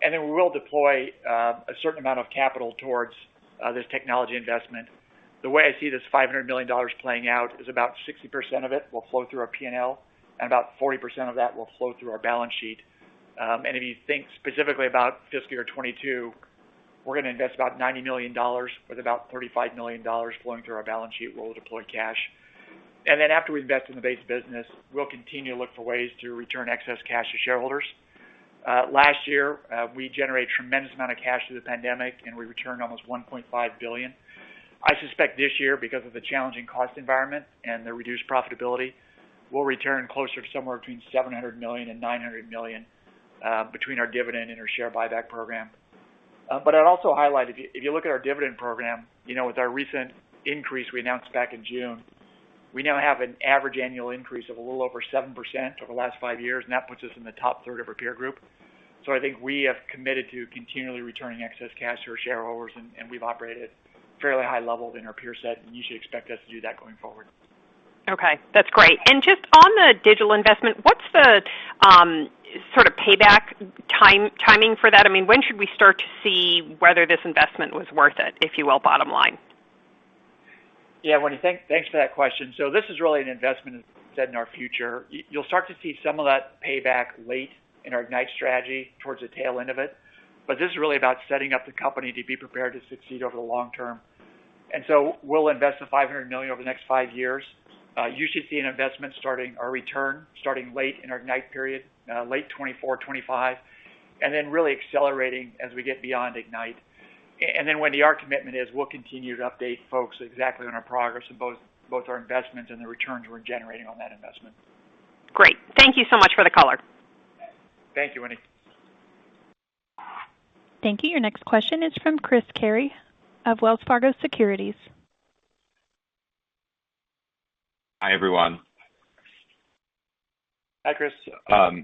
Then we will deploy a certain amount of capital towards this technology investment. The way I see this $500 million playing out is about 60% of it will flow through our P&L, and about 40% of that will flow through our balance sheet. If you think specifically about fiscal year 2022, we're going to invest about $90 million, with about $35 million flowing through our balance sheet. We'll deploy cash. Then after we invest in the base business, we'll continue to look for ways to return excess cash to shareholders. Last year, we generated a tremendous amount of cash through the pandemic, and we returned almost $1.5 billion. I suspect this year, because of the challenging cost environment and the reduced profitability, we'll return closer to somewhere between $700 million and $900 million between our dividend and our share buyback program. I'd also highlight, if you look at our dividend program, with our recent increase we announced back in June, we now have an average annual increase of a little over 7% over the last five years, and that puts us in the top third of our peer group. I think we have committed to continually returning excess cash to our shareholders, and we've operated at a fairly high level in our peer set, and you should expect us to do that going forward. Okay. That's great. Just on the digital investment, what's the sort of payback timing for that? When should we start to see whether this investment was worth it, if you will, bottom line? Yeah, Wendy, thanks for that question. This is really an investment set in our future. You'll start to see some of that payback late in our IGNITE strategy, towards the tail end of it. This is really about setting up the company to be prepared to succeed over the long term. We'll invest the $500 million over the next five years. You should see an investment starting our return, starting late in our IGNITE period, late 2024, 2025, and then really accelerating as we get beyond IGNITE. Wendy, our commitment is we'll continue to update folks exactly on our progress in both our investments and the returns we're generating on that investment. Great. Thank you so much for the color. Thank you, Wendy. Thank you. Your next question is from Chris Carey of Wells Fargo Securities. Hi, everyone. Hi, Chris. I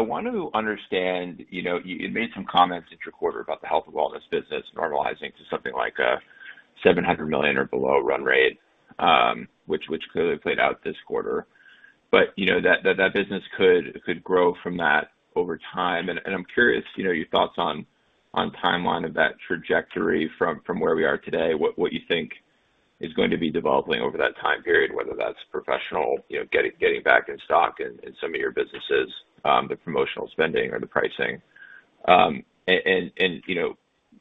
want to understand, you made some comments at your quarter about the Health and Wellness business normalizing to something like a $700 million or below run rate, which clearly played out this quarter. That business could grow from that over time, and I'm curious your thoughts on timeline of that trajectory from where we are today, what you think is going to be developing over that time period, whether that's professional getting back in stock in some of your businesses, the promotional spending or the pricing.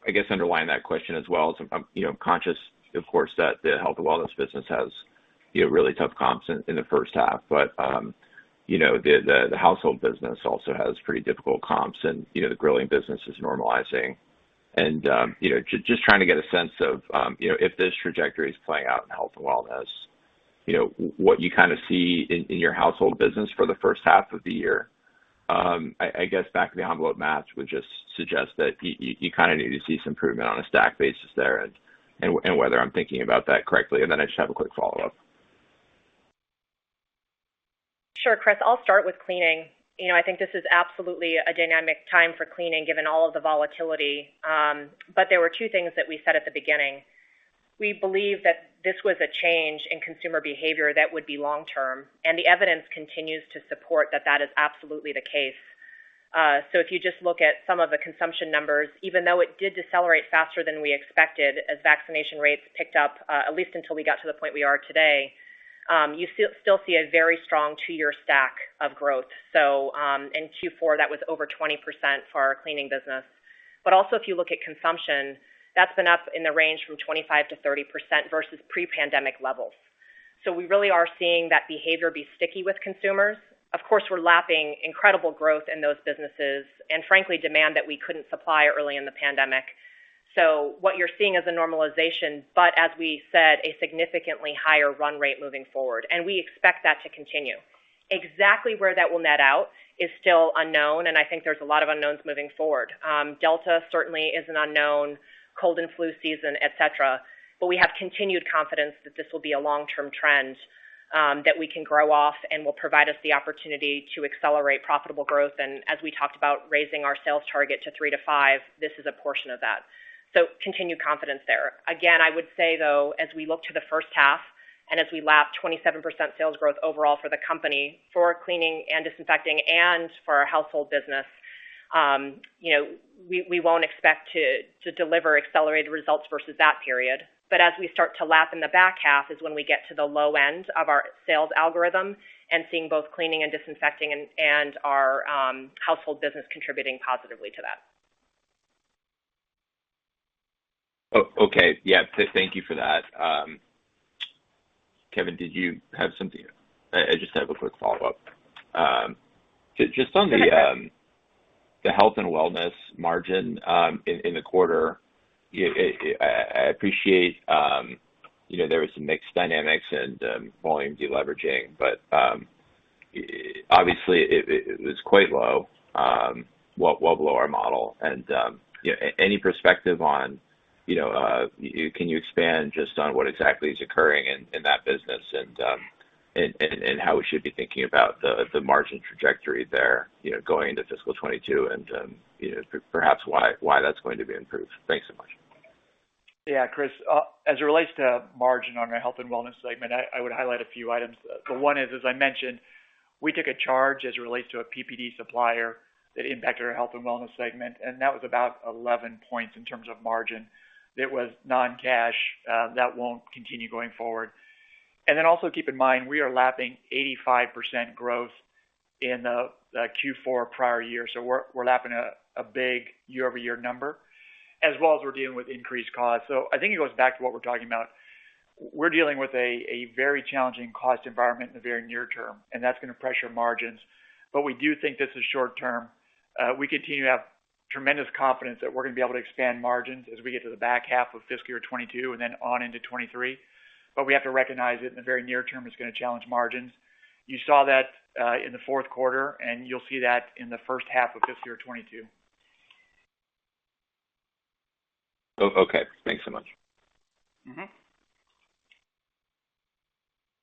I guess underlying that question as well is I'm conscious, of course, that the Health and Wellness business has really tough comps in the first half, the household business also has pretty difficult comps and the grilling business is normalizing. Just trying to get a sense of, if this trajectory is playing out in Health and Wellness, what you kind of see in your household business for the first half of the year. I guess back-of-the-envelope maths would just suggest that you kind of need to see some improvement on a stack basis there and whether I'm thinking about that correctly, then I just have a quick follow-up. Sure, Chris, I'll start with Cleaning. I think this is absolutely a dynamic time for Cleaning given all of the volatility. There were two things that we said at the beginning. We believe that this was a change in consumer behavior that would be long-term, and the evidence continues to support that that is absolutely the case. If you just look at some of the consumption numbers, even though it did decelerate faster than we expected as vaccination rates picked up, at least until we got to the point we are today, you still see a very strong two-year stack of growth. In Q4, that was over 20% for our Cleaning business. Also if you look at consumption, that's been up in the range from 25%-30% versus pre-pandemic levels. We really are seeing that behavior be sticky with consumers. Of course, we're lapping incredible growth in those businesses and frankly, demand that we couldn't supply early in the pandemic. What you're seeing is a normalization, but as we said, a significantly higher run rate moving forward, and we expect that to continue. Exactly where that will net out is still unknown, and I think there's a lot of unknowns moving forward. Delta certainly is an unknown, cold and flu season, et cetera, but we have continued confidence that this will be a long-term trend, that we can grow off and will provide us the opportunity to accelerate profitable growth, and as we talked about raising our sales target to 3%-5%, this is a portion of that. Continued confidence there. I would say though, as we look to the first half, and as we lap 27% sales growth overall for the company for Cleaning and Disinfecting and for our Household business, we won't expect to deliver accelerated results versus that period. As we start to lap in the back half is when we get to the low end of our sales algorithm and seeing both Cleaning and Disinfecting and our Household business contributing positively to that. Okay. Yeah, thank you for that. Kevin, did you have something? I just have a quick follow-up. Just on the Health and Wellness margin in the quarter, I appreciate there is some mixed dynamics and volume deleveraging, but obviously it's quite low, well below our model. Any perspective on, can you expand just on what exactly is occurring in that business and how we should be thinking about the margin trajectory there, going into fiscal 2022 and perhaps why that's going to be improved? Thanks so much. Yeah, Chris, as it relates to margin on our Health and Wellness segment, I would highlight a few items. The one is, as I mentioned, we took a charge as it relates to a PPD supplier that impacted our Health and Wellness segment, and that was about 11 points in terms of margin. That was non-cash. That won't continue going forward. Also keep in mind, we are lapping 85% growth in the Q4 prior year. We're lapping a big year-over-year number, as well as we're dealing with increased costs. I think it goes back to what we're talking about. We're dealing with a very challenging cost environment in the very near term, and that's going to pressure margins, but we do think this is short-term. We continue to have tremendous confidence that we're going to be able to expand margins as we get to the back half of fiscal year 2022 and then on into 2023. We have to recognize it in the very near term is going to challenge margins. You saw that in the fourth quarter, and you'll see that in the first half of fiscal year 2022. Okay. Thanks so much.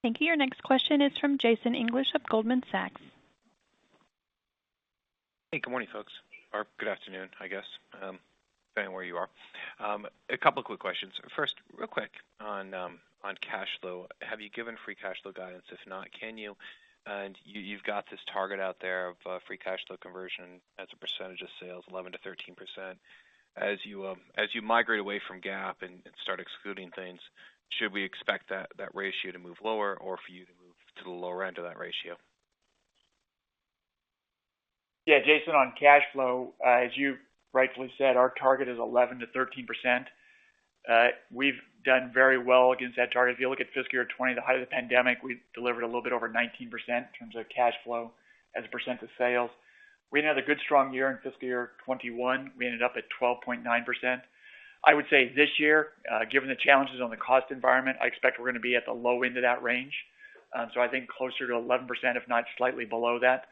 Thank you. Your next question is from Jason English of Goldman Sachs. Hey, good morning, folks, or good afternoon, I guess, depending on where you are. A couple quick questions. First, real quick on cash flow, have you given free cash flow guidance? If not, can you? You've got this target out there of free cash flow conversion as a percentage of sales, 11%-13%. As you migrate away from GAAP and start excluding things, should we expect that ratio to move lower or for you to move to the lower end of that ratio? Yeah, Jason, on cash flow, as you rightfully said, our target is 11%-13%. We've done very well against that target. If you look at fiscal year 2020, the height of the pandemic, we delivered a little bit over 19% in terms of cash flow as a percent of sales. We had a good strong year in fiscal year 2021. We ended up at 12.9%. I would say this year, given the challenges on the cost environment, I expect we're going to be at the low end of that range. I think closer to 11%, if not slightly below that.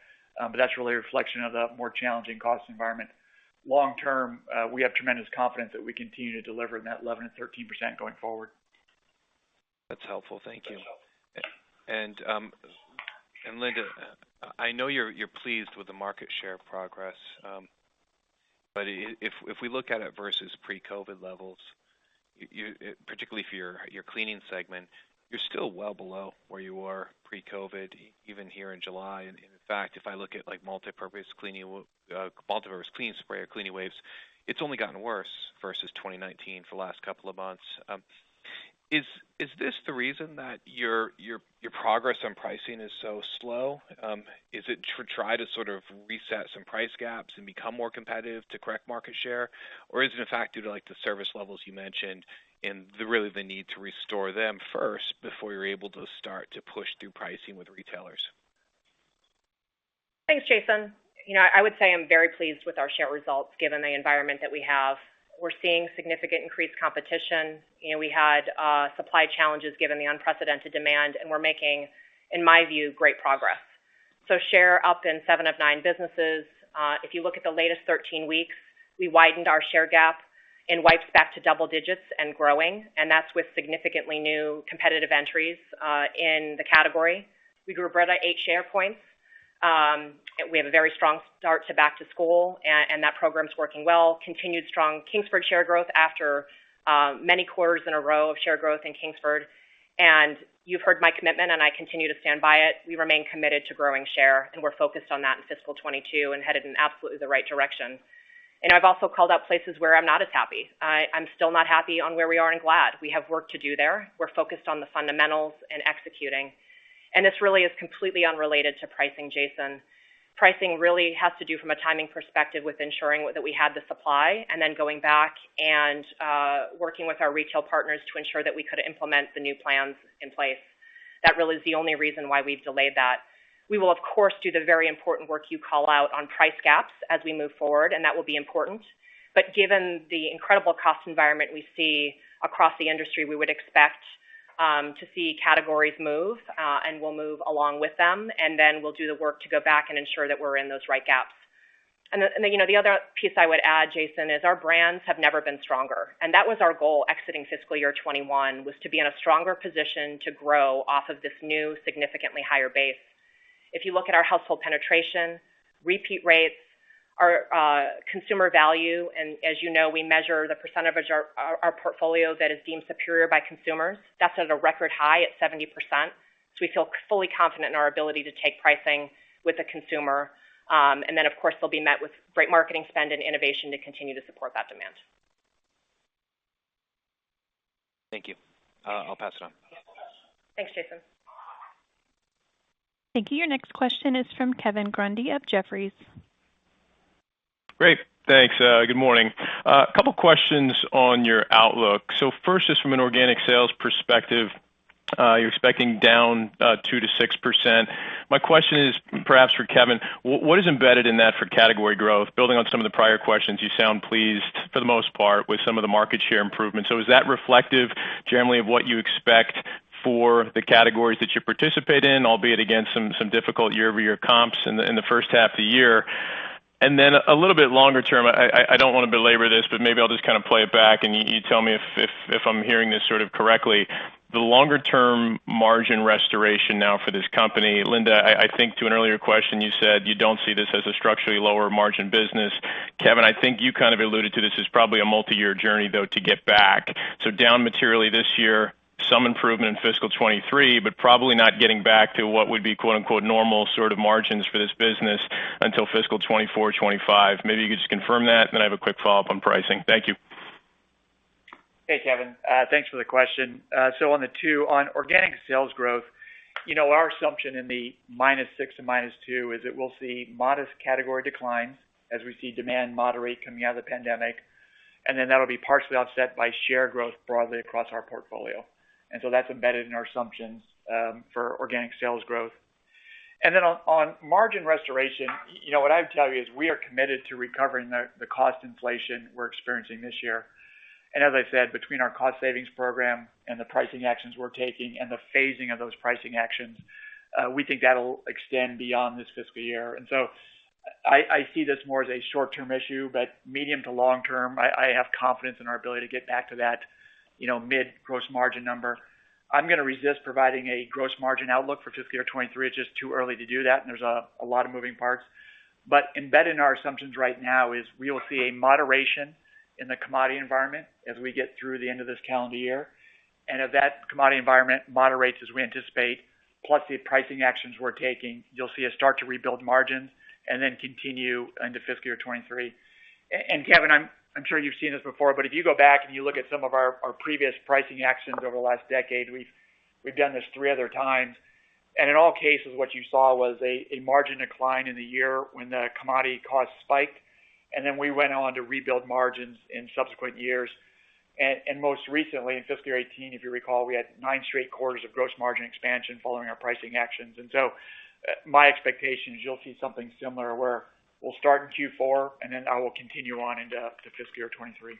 That's really a reflection of the more challenging cost environment. Long term, we have tremendous confidence that we continue to deliver in that 11%-13% going forward. That's helpful. Thank you. Linda, I know you're pleased with the market share progress. If we look at it versus pre-COVID levels, particularly for your Cleaning segment, you're still well below where you were pre-COVID, even here in July. In fact, if I look at multipurpose clean spray or Clean Wave, it's only gotten worse versus 2019 for the last couple of months. Is this the reason that your progress on pricing is so slow? Is it to try to sort of reset some price gaps and become more competitive to correct market share? Is it a factor to the service levels you mentioned and really the need to restore them first before you're able to start to push through pricing with retailers? Thanks, Jason. I would say I'm very pleased with our share results given the environment that we have. We're seeing significant increased competition. We had supply challenges given the unprecedented demand, and we're making, in my view, great progress. Share up in seven of nine businesses. If you look at the latest 13 weeks, we widened our share gap in Wipes back to double digits and growing, and that's with significantly new competitive entries in the category. We grew Brita eight share points. We have a very strong start to back to school, and that program's working well. Continued strong Kingsford share growth after many quarters in a row of share growth in Kingsford. You've heard my commitment and I continue to stand by it. We remain committed to growing share, and we're focused on that in fiscal 2022 and headed in absolutely the right direction. I've also called out places where I'm not as happy. I'm still not happy on where we are in Glad. We have work to do there. We're focused on the fundamentals and executing, and this really is completely unrelated to pricing, Jason. Pricing really has to do from a timing perspective with ensuring that we had the supply and then going back and working with our retail partners to ensure that we could implement the new plans in place. That really is the only reason why we've delayed that. We will, of course, do the very important work you call out on price gaps as we move forward, and that will be important. Given the incredible cost environment we see across the industry, we would expect to see categories move, and we'll move along with them, and then we'll do the work to go back and ensure that we're in those right gaps. The other piece I would add, Jason, is our brands have never been stronger, and that was our goal exiting fiscal year 2021, was to be in a stronger position to grow off of this new, significantly higher base. If you look at our household penetration, repeat rates, our consumer value, and as you know, we measure the percentage of our portfolio that is deemed superior by consumers. That's at a record high at 70%. We feel fully confident in our ability to take pricing with the consumer. Then, of course, they'll be met with great marketing spend and innovation to continue to support that demand. Thank you. I'll pass it on. Thanks, Jason. Thank you. Your next question is from Kevin Grundy of Jefferies. Great. Thanks. Good morning. A couple questions on your outlook. First, just from an organic sales perspective, you're expecting down 2%-6%. My question is perhaps for Kevin, what is embedded in that for category growth? Building on some of the prior questions, you sound pleased for the most part with some of the market share improvements. Is that reflective generally of what you expect for the categories that you participate in, albeit against some difficult year-over-year comps in the first half of the year? Then a little bit longer term, I don't want to belabor this, but maybe I'll just kind of play it back and you tell me if I'm hearing this sort of correctly. The longer term margin restoration now for this company, Linda, I think to an earlier question, you said you don't see this as a structurally lower margin business. Kevin, I think you kind of alluded to this as probably a multi-year journey, though, to get back. Down materially this year, some improvement in fiscal 2023, but probably not getting back to what would be, quote-unquote, "normal" sort of margins for this business until fiscal 2024, 2025. Maybe you could just confirm that, and then I have a quick follow-up on pricing. Thank you. Hey, Kevin. Thanks for the question. On the two, on organic sales growth, our assumption in the -6% and -2% is that we'll see modest category decline as we see demand moderate coming out of the pandemic, that'll be partially offset by share growth broadly across our portfolio. That's embedded in our assumptions for organic sales growth. On margin restoration, what I would tell you is we are committed to recovering the cost inflation we're experiencing this year. As I said, between our cost savings program and the pricing actions we're taking and the phasing of those pricing actions, we think that'll extend beyond this fiscal year. I see this more as a short term issue, but medium to long term, I have confidence in our ability to get back to that mid gross margin number. I'm going to resist providing a gross margin outlook for fiscal year 2023. It's just too early to do that, and there's a lot of moving parts. Embedded in our assumptions right now is we will see a moderation in the commodity environment as we get through the end of this calendar year. If that commodity environment moderates as we anticipate, plus the pricing actions we're taking, you'll see us start to rebuild margins and then continue into fiscal year 2023. Kevin, I'm sure you've seen this before, but if you go back and you look at some of our previous pricing actions over the last decade, we've done this three other times. In all cases, what you saw was a margin decline in the year when the commodity costs spiked, and then we went on to rebuild margins in subsequent years. Most recently in fiscal year 2018, if you recall, we had nine straight quarters of gross margin expansion following our pricing actions. My expectation is you'll see something similar where we'll start in Q4, and then that will continue on into fiscal year 2023.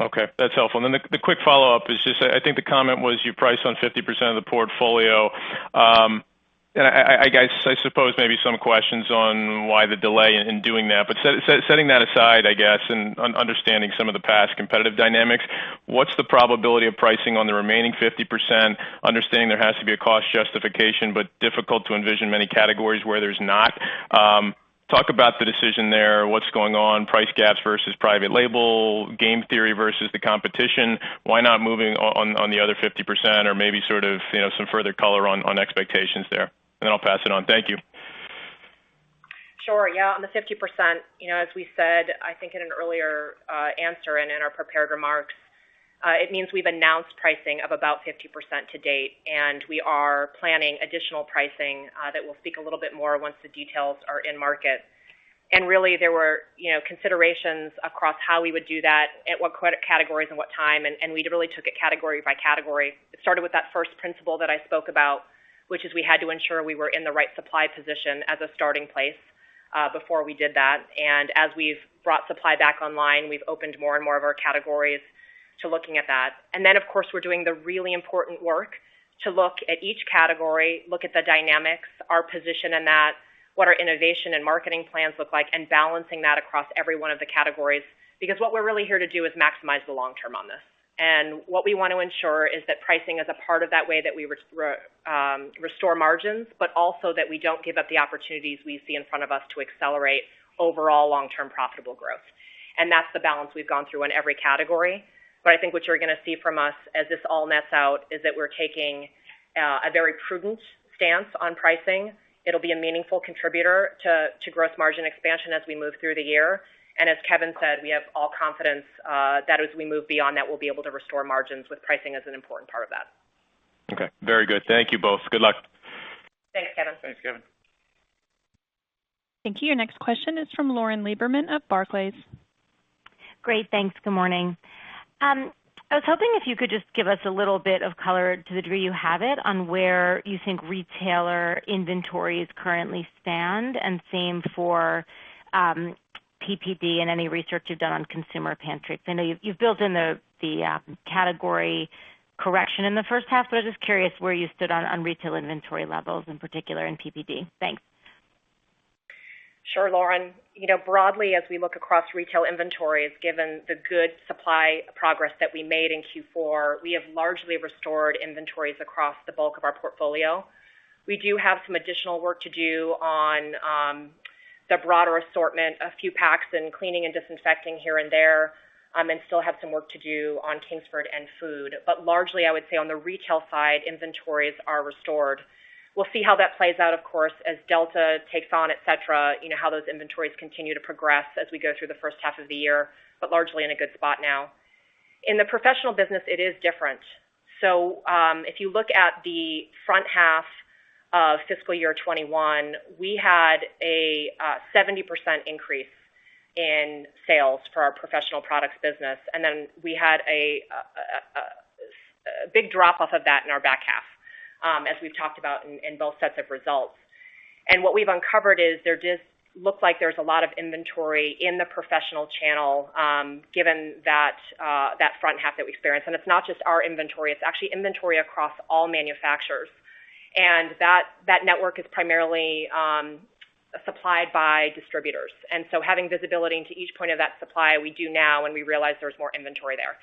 Okay. That's helpful. The quick follow-up is just I think the comment was you priced on 50% of the portfolio. I suppose maybe some questions on why the delay in doing that. Setting that aside, I guess, and understanding some of the past competitive dynamics, what's the probability of pricing on the remaining 50%? Understanding there has to be a cost justification, but difficult to envision many categories where there's not. Talk about the decision there, what's going on, price gaps versus private label, game theory versus the competition. Why not moving on the other 50% or maybe sort of some further color on expectations there? I'll pass it on. Thank you. Sure. Yeah. On the 50%, as we said, I think in an earlier answer and in our prepared remarks, it means we've announced pricing of about 50% to date. We are planning additional pricing that we'll speak a little bit more once the details are in market. Really there were considerations across how we would do that, at what product categories and what time, and we really took it category by category. It started with that first principle that I spoke about, which is we had to ensure we were in the right supply position as a starting place, before we did that. As we've brought supply back online, we've opened more and more of our categories to looking at that. Of course, we're doing the really important work to look at each category, look at the dynamics, our position in that, what our innovation and marketing plans look like, and balancing that across every one of the categories. What we're really here to do is maximize the long term on this. What we want to ensure is that pricing is a part of that way that we restore margins, but also that we don't give up the opportunities we see in front of us to accelerate overall long-term profitable growth. That's the balance we've gone through in every category. I think what you're going to see from us as this all nets out is that we're taking a very prudent stance on pricing. It'll be a meaningful contributor to gross margin expansion as we move through the year. As Kevin said, we have all confidence that as we move beyond that, we'll be able to restore margins with pricing as an important part of that. Okay. Very good. Thank you both. Good luck. Thanks, Kevin. Thanks, Kevin. Thank you. Your next question is from Lauren Lieberman of Barclays. Great. Thanks. Good morning. I was hoping if you could just give us a little bit of color to the degree you have it on where you think retailer inventories currently stand, and same for, PPD and any research you've done on consumer pantries. I know you've built in the category correction in the first half, but I'm just curious where you stood on retail inventory levels, in particular in PPD. Thanks. Sure, Lauren. Broadly, as we look across retail inventories, given the good supply progress that we made in Q4, we have largely restored inventories across the bulk of our portfolio. We do have some additional work to do on the broader assortment, a few packs and cleaning and disinfecting here and there, and still have some work to do on Kingsford and Food. Largely, I would say on the retail side, inventories are restored. We'll see how that plays out, of course, as Delta takes on, et cetera, how those inventories continue to progress as we go through the first half of the year, but largely in a good spot now. In the Professional business, it is different. If you look at the front half of fiscal year 2021, we had a 70% increase in sales for our Professional Products business, and then we had a big drop off of that in our back half, as we've talked about in both sets of results. What we've uncovered is there does look like there's a lot of inventory in the professional channel, given that front half that we experienced. It's not just our inventory, it's actually inventory across all manufacturers. That network is primarily supplied by distributors. Having visibility into each point of that supply, we do now, and we realize there's more inventory there.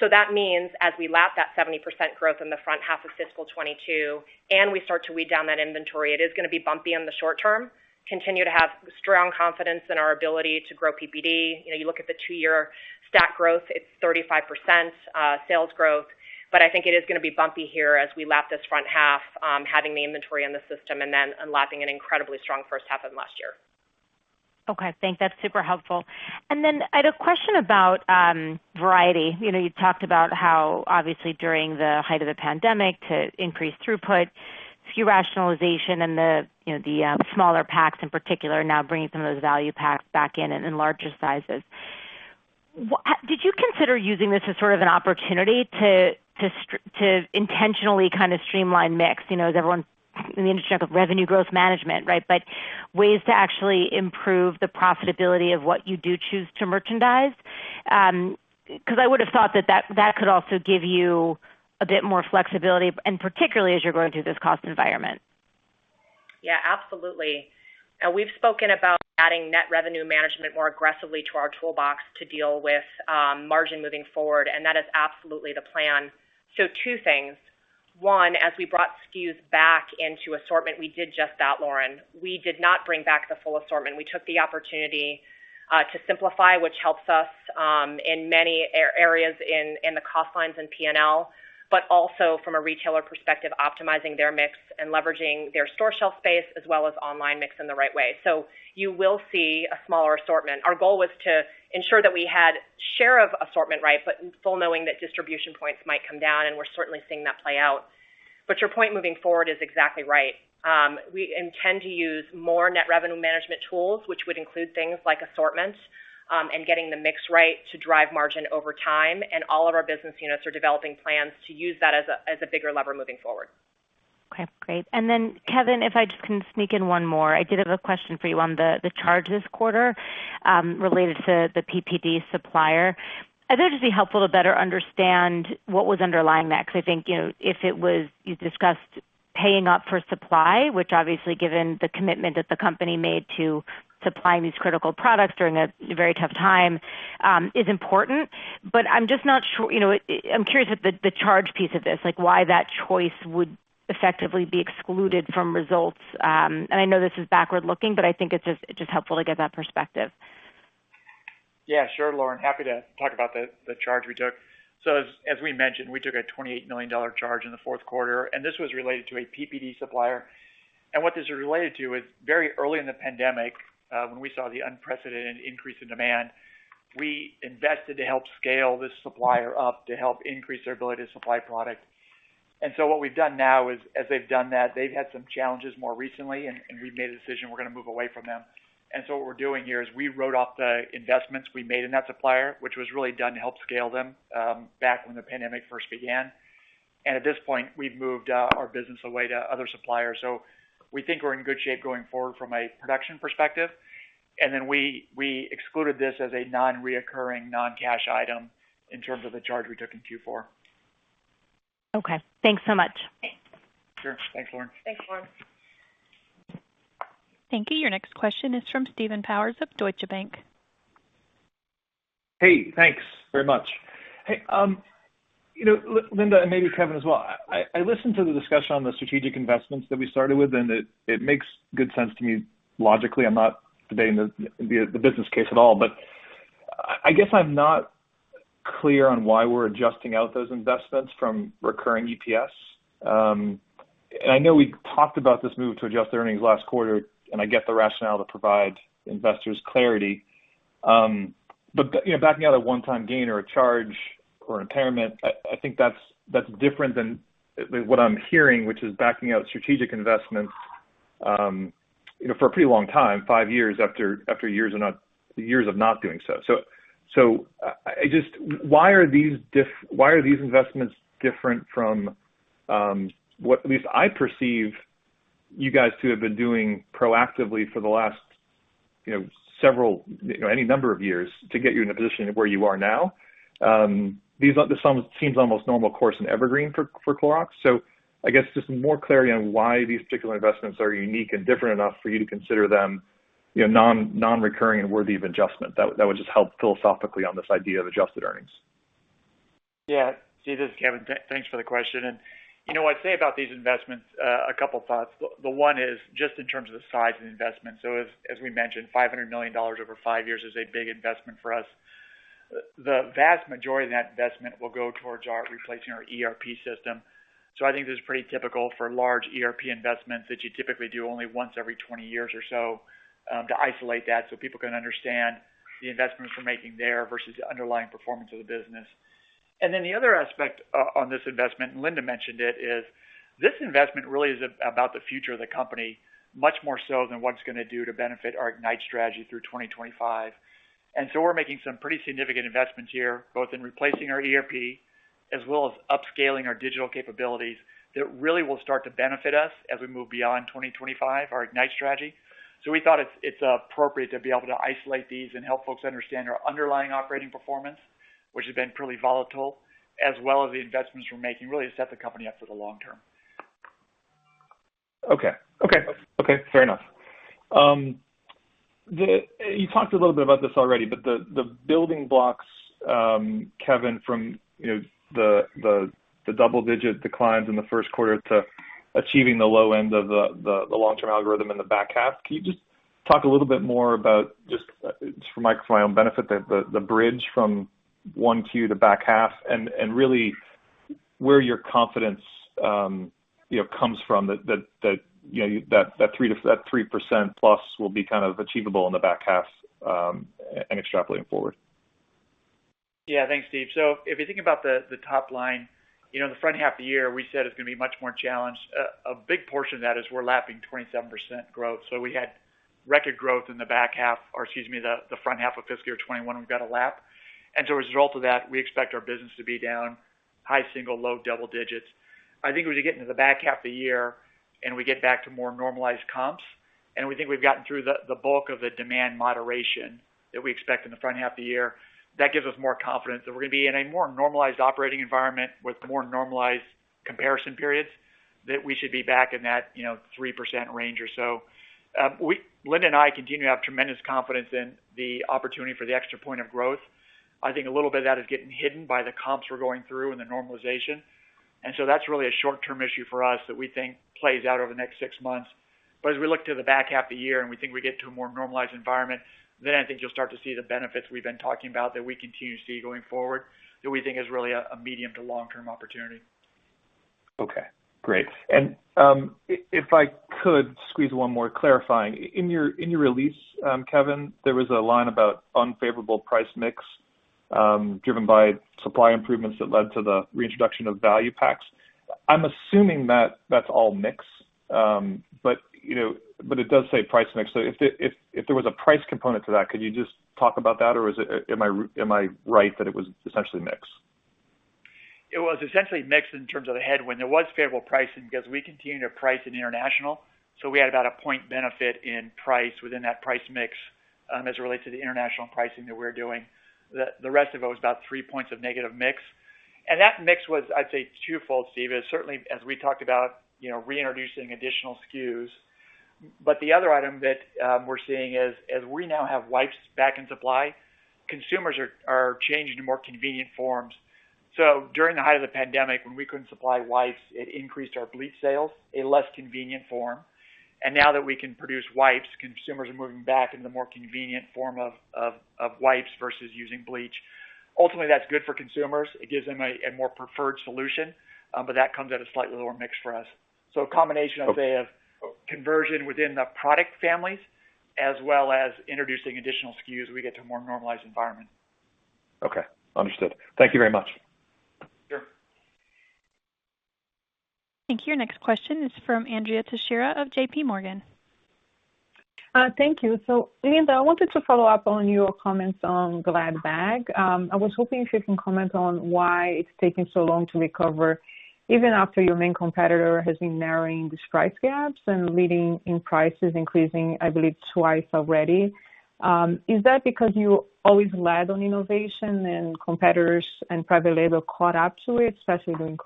That means as we lap that 70% growth in the front half of fiscal 2022, and we start to weed down that inventory, it is going to be bumpy in the short term. Continue to have strong confidence in our ability to grow PPD. You look at the two-year stack growth, it's 35%, sales growth, but I think it is going to be bumpy here as we lap this front half, having the inventory in the system and then lapping an incredibly strong first half of last year. Okay, thanks. That's super helpful. Then I had a question about variety. You talked about how obviously during the height of the pandemic to increase throughput, SKU rationalization and the smaller packs in particular, now bringing some of those value packs back in larger sizes. Did you consider using this as sort of an opportunity to intentionally kind of streamline mix, as everyone in the industry talks about revenue growth management, right? Ways to actually improve the profitability of what you do choose to merchandise? I would have thought that that could also give you a bit more flexibility, and particularly as you're going through this cost environment. Absolutely. We've spoken about adding net revenue management more aggressively to our toolbox to deal with margin moving forward. That is absolutely the plan. Two things. One, as we brought SKUs back into assortment, we did just that, Lauren. We did not bring back the full assortment. We took the opportunity to simplify, which helps us, in many areas in the cost lines in P&L, also from a retailer perspective, optimizing their mix and leveraging their store shelf space as well as online mix in the right way. You will see a smaller assortment. Our goal was to ensure that we had share of assortment right, full knowing that distribution points might come down, and we're certainly seeing that play out. Your point moving forward is exactly right. We intend to use more net revenue management tools, which would include things like assortments, and getting the mix right to drive margin over time. All of our business units are developing plans to use that as a bigger lever moving forward. Okay, great. Kevin, if I just can sneak in one more. I did have a question for you on the charge this quarter, related to the PPD supplier. I thought it'd just be helpful to better understand what was underlying that, because I think, you discussed paying up for supply, which obviously, given the commitment that the company made to supplying these critical products during a very tough time, is important. I'm curious at the charge piece of this, like why that choice would effectively be excluded from results. I know this is backward looking, but I think it's just helpful to get that perspective. Yeah, sure, Lauren. Happy to talk about the charge we took. As we mentioned, we took a $28 million charge in the fourth quarter. This was related to a PPD supplier. What this is related to is very early in the pandemic, when we saw the unprecedented increase in demand, we invested to help scale this supplier up to help increase their ability to supply product. What we've done now is, as they've done that, they've had some challenges more recently. We've made a decision we're going to move away from them. What we're doing here is we wrote off the investments we made in that supplier, which was really done to help scale them back when the pandemic first began. At this point, we've moved our business away to other suppliers. We think we're in good shape going forward from a production perspective. We excluded this as a non-recurring, non-cash item in terms of the charge we took in Q4. Okay. Thanks so much. Sure. Thanks, Lauren. Thanks, Lauren. Thank you. Your next question is from Stephen Powers of Deutsche Bank. Thanks very much. Linda, and maybe Kevin as well, I listened to the discussion on the strategic investments that we started with, and it makes good sense to me logically. I'm not debating the business case at all. I guess I'm not clear on why we're adjusting out those investments from recurring EPS. I know we talked about this move to adjust earnings last quarter, and I get the rationale to provide investors clarity. Backing out a one-time gain or a charge or impairment, I think that's different than what I'm hearing, which is backing out strategic investments for a pretty long time, five years after years of not doing so. Why are these investments different from what at least I perceive you guys to have been doing proactively for the last any number of years to get you in a position where you are now? This seems almost normal course in evergreen for Clorox. I guess just more clarity on why these particular investments are unique and different enough for you to consider them non-recurring and worthy of adjustment. That would just help philosophically on this idea of adjusted earnings. Yeah. Steve, this is Kevin. Thanks for the question. You know what I'd say about these investments, a couple of thoughts. The one is just in terms of the size of the investment. As we mentioned, $500 million over five years is a big investment for us. The vast majority of that investment will go towards replacing our ERP system. I think this is pretty typical for large ERP investments that you typically do only once every 20 years or so to isolate that so people can understand the investments we're making there versus the underlying performance of the business. Then the other aspect on this investment, Linda mentioned it, is this investment really is about the future of the company, much more so than what it's going to do to benefit our IGNITE strategy through 2025. We're making some pretty significant investments here, both in replacing our ERP as well as upscaling our digital capabilities that really will start to benefit us as we move beyond 2025, our IGNITE strategy. We thought it's appropriate to be able to isolate these and help folks understand our underlying operating performance, which has been pretty volatile, as well as the investments we're making really to set the company up for the long term. Okay. Fair enough. You talked a little bit about this already, the building blocks, Kevin, from the double-digit declines in the first quarter to achieving the low end of the long-term algorithm in the back half, can you just talk a little bit more about, just for my own benefit, the bridge from 1Q to back half, and really where your confidence comes from that that 3%+ will be kind of achievable in the back half and extrapolating forward? Yeah. Thanks, Steve. If you think about the top line, the front half of the year, we said it's going to be much more challenged. A big portion of that is we're lapping 27% growth. We had record growth in the front half of fiscal year 2021 we've got to lap. As a result of that, we expect our business to be down high single, low double digits. I think as we get into the back half of the year and we get back to more normalized comps, and we think we've gotten through the bulk of the demand moderation that we expect in the front half of the year, that gives us more confidence that we're going to be in a more normalized operating environment with more normalized comparison periods, that we should be back in that 3% range or so. Linda and I continue to have tremendous confidence in the opportunity for the extra point of growth. I think a little bit of that is getting hidden by the comps we're going through and the normalization. That's really a short-term issue for us that we think plays out over the next six months. As we look to the back half of the year and we think we get to a more normalized environment, then I think you'll start to see the benefits we've been talking about that we continue to see going forward that we think is really a medium to long-term opportunity. Okay, great. If I could squeeze one more clarifying. In your release, Kevin, there was a line about unfavorable price mix, driven by supply improvements that led to the reintroduction of value packs. I'm assuming that's all mix. It does say price mix. If there was a price component to that, could you just talk about that, or am I right that it was essentially mix? It was essentially mix in terms of the headwind. There was favorable pricing because we continued to price in international. We had about a point benefit in price within that price mix as it relates to the international pricing that we're doing. The rest of it was about three points of negative mix. That mix was, I'd say, twofold, Steve. It's certainly, as we talked about, reintroducing additional SKUs. The other item that we're seeing is as we now have wipes back in supply, consumers are changing to more convenient forms. During the height of the pandemic, when we couldn't supply wipes, it increased our bleach sales in less convenient form. Now that we can produce wipes, consumers are moving back into the more convenient form of wipes versus using bleach. Ultimately, that's good for consumers. It gives them a more preferred solution. That comes at a slightly lower mix for us. A combination, I'd say, of conversion within the product families, as well as introducing additional SKUs, we get to a more normalized environment. Okay. Understood. Thank you very much. Sure. Thank you. Next question is from Andrea Teixeira of JPMorgan. Thank you. Linda, I wanted to follow up on your comments on Glad. I was hoping if you can comment on why it's taking so long to recover, even after your main competitor has been narrowing these price gaps and leading in prices increasing, I believe, twice already. Is that because you always led on innovation, and competitors and private label caught up to it, especially during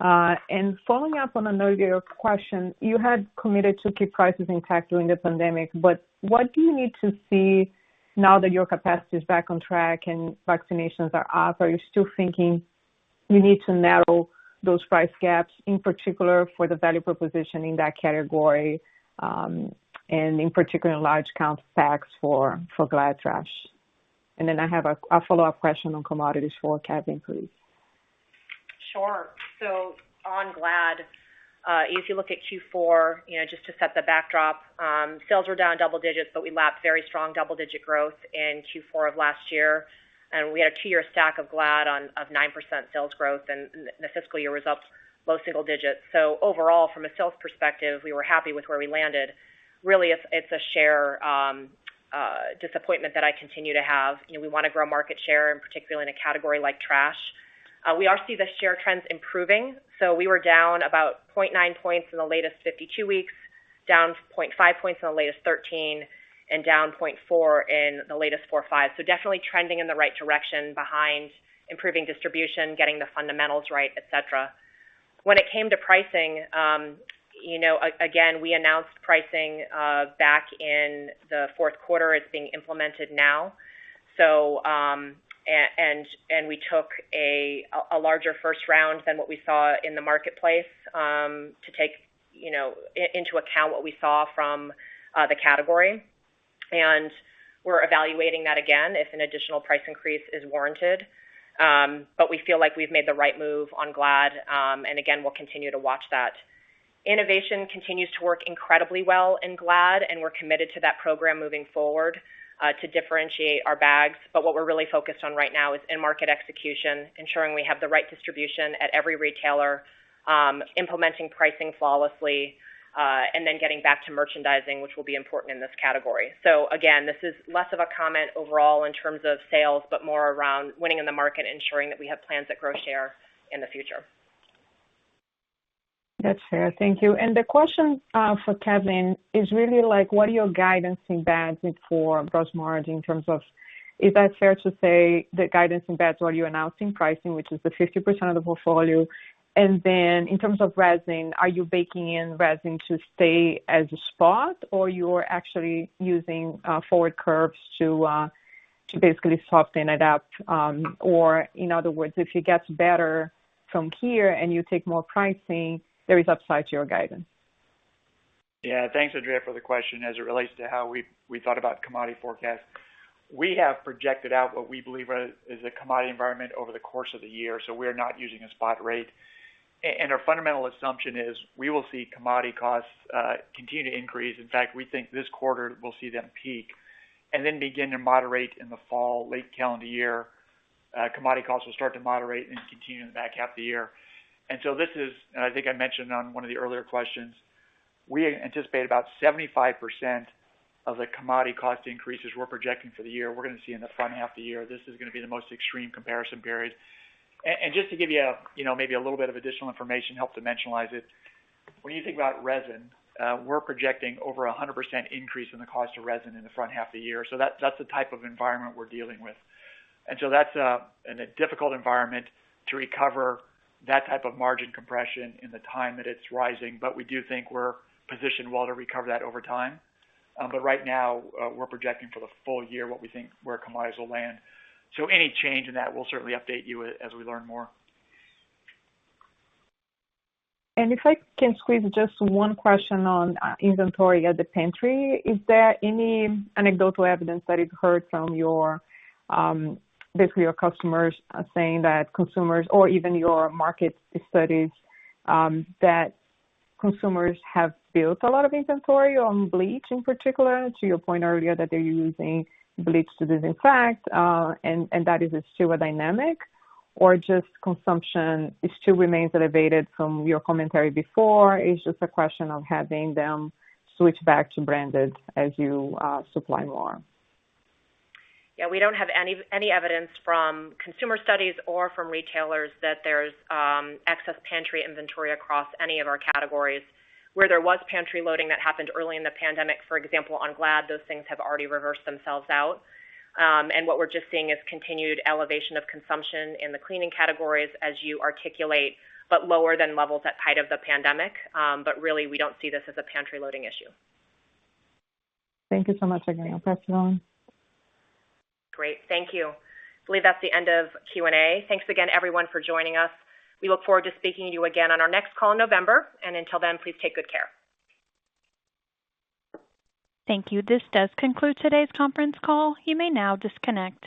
COVID-19? Following up on another question, you had committed to keep prices intact during the pandemic, but what do you need to see now that your capacity is back on track and vaccinations are up? Are you still thinking you need to narrow those price gaps in particular for the value proposition in that category, and in particular, in large count packs for Glad Trash? I have a follow-up question on commodities for Kevin, please. Sure. On Glad, if you look at Q4, just to set the backdrop, sales were down double digits, but we lapped very strong double-digit growth in Q4 of last year. We had a two-year stack of Glad of 9% sales growth, and the fiscal year results, low single digits. Overall, from a sales perspective, we were happy with where we landed. Really, it's a share disappointment that I continue to have. We want to grow market share and particularly in a category like Trash. We are seeing the share trends improving. We were down about 0.9 points in the latest 52 weeks, down 0.5 points in the latest 13, and down 0.4 in the latest four, five. Definitely trending in the right direction behind improving distribution, getting the fundamentals right, et cetera. When it came to pricing, again, we announced pricing back in the fourth quarter. It's being implemented now. We took a larger first round than what we saw in the marketplace, to take into account what we saw from the category. We're evaluating that again, if an additional price increase is warranted. We feel like we've made the right move on Glad, and again, we'll continue to watch that. Innovation continues to work incredibly well in Glad, and we're committed to that program moving forward, to differentiate our bags. What we're really focused on right now is in-market execution, ensuring we have the right distribution at every retailer, implementing pricing flawlessly, and then getting back to merchandising, which will be important in this category. Again, this is less of a comment overall in terms of sales, but more around winning in the market, ensuring that we have plans that grow share in the future. That's fair. Thank you. The question for Kevin is really what are your guidance embeds for gross margin in terms of, is that fair to say the guidance embeds what you announce in pricing, which is the 50% of the portfolio? Then in terms of resin, are you baking in resin to stay as a spot or you are actually using forward curves to basically soften it up? In other words, if it gets better from here and you take more pricing, there is upside to your guidance. Yeah, thanks, Andrea, for the question. As it relates to how we thought about commodity forecast, we have projected out what we believe is a commodity environment over the course of the year. We are not using a spot rate. Our fundamental assumption is we will see commodity costs continue to increase. In fact, we think this quarter we'll see them peak and then begin to moderate in the fall, late calendar year. Commodity costs will start to moderate and continue in the back half of the year. This is, and I think I mentioned on one of the earlier questions, we anticipate about 75% of the commodity cost increases we're projecting for the year, we're going to see in the front half of the year. This is going to be the most extreme comparison period. Just to give you maybe a little bit of additional information, help dimensionalize it. When you think about resin, we're projecting over 100% increase in the cost of resin in the front half of the year. That's the type of environment we're dealing with. That's in a difficult environment to recover that type of margin compression in the time that it's rising. We do think we're positioned well to recover that over time. Right now, we're projecting for the full year what we think where commodities will land. Any change in that, we'll certainly update you as we learn more. If I can squeeze just one question on inventory at The Pantry. Is there any anecdotal evidence that you've heard from basically your customers saying that consumers, or even your market studies, that consumers have built a lot of inventory on bleach in particular? To your point earlier, that they're using bleach to disinfect, and that is still a dynamic. Or just consumption still remains elevated from your commentary before? It's just a question of having them switch back to branded as you supply more. Yeah. We don't have any evidence from consumer studies or from retailers that there's excess pantry inventory across any of our categories. Where there was pantry loading that happened early in the pandemic, for example, on Glad, those things have already reversed themselves out. What we're just seeing is continued elevation of consumption in the Cleaning categories as you articulate, but lower than levels at height of the pandemic. Really, we don't see this as a pantry loading issue. Thank you so much. I'm going to press one. Great. Thank you. I believe that's the end of Q&A. Thanks again, everyone, for joining us. We look forward to speaking to you again on our next call in November. Until then, please take good care. Thank you. This does conclude today's conference call. You may now disconnect.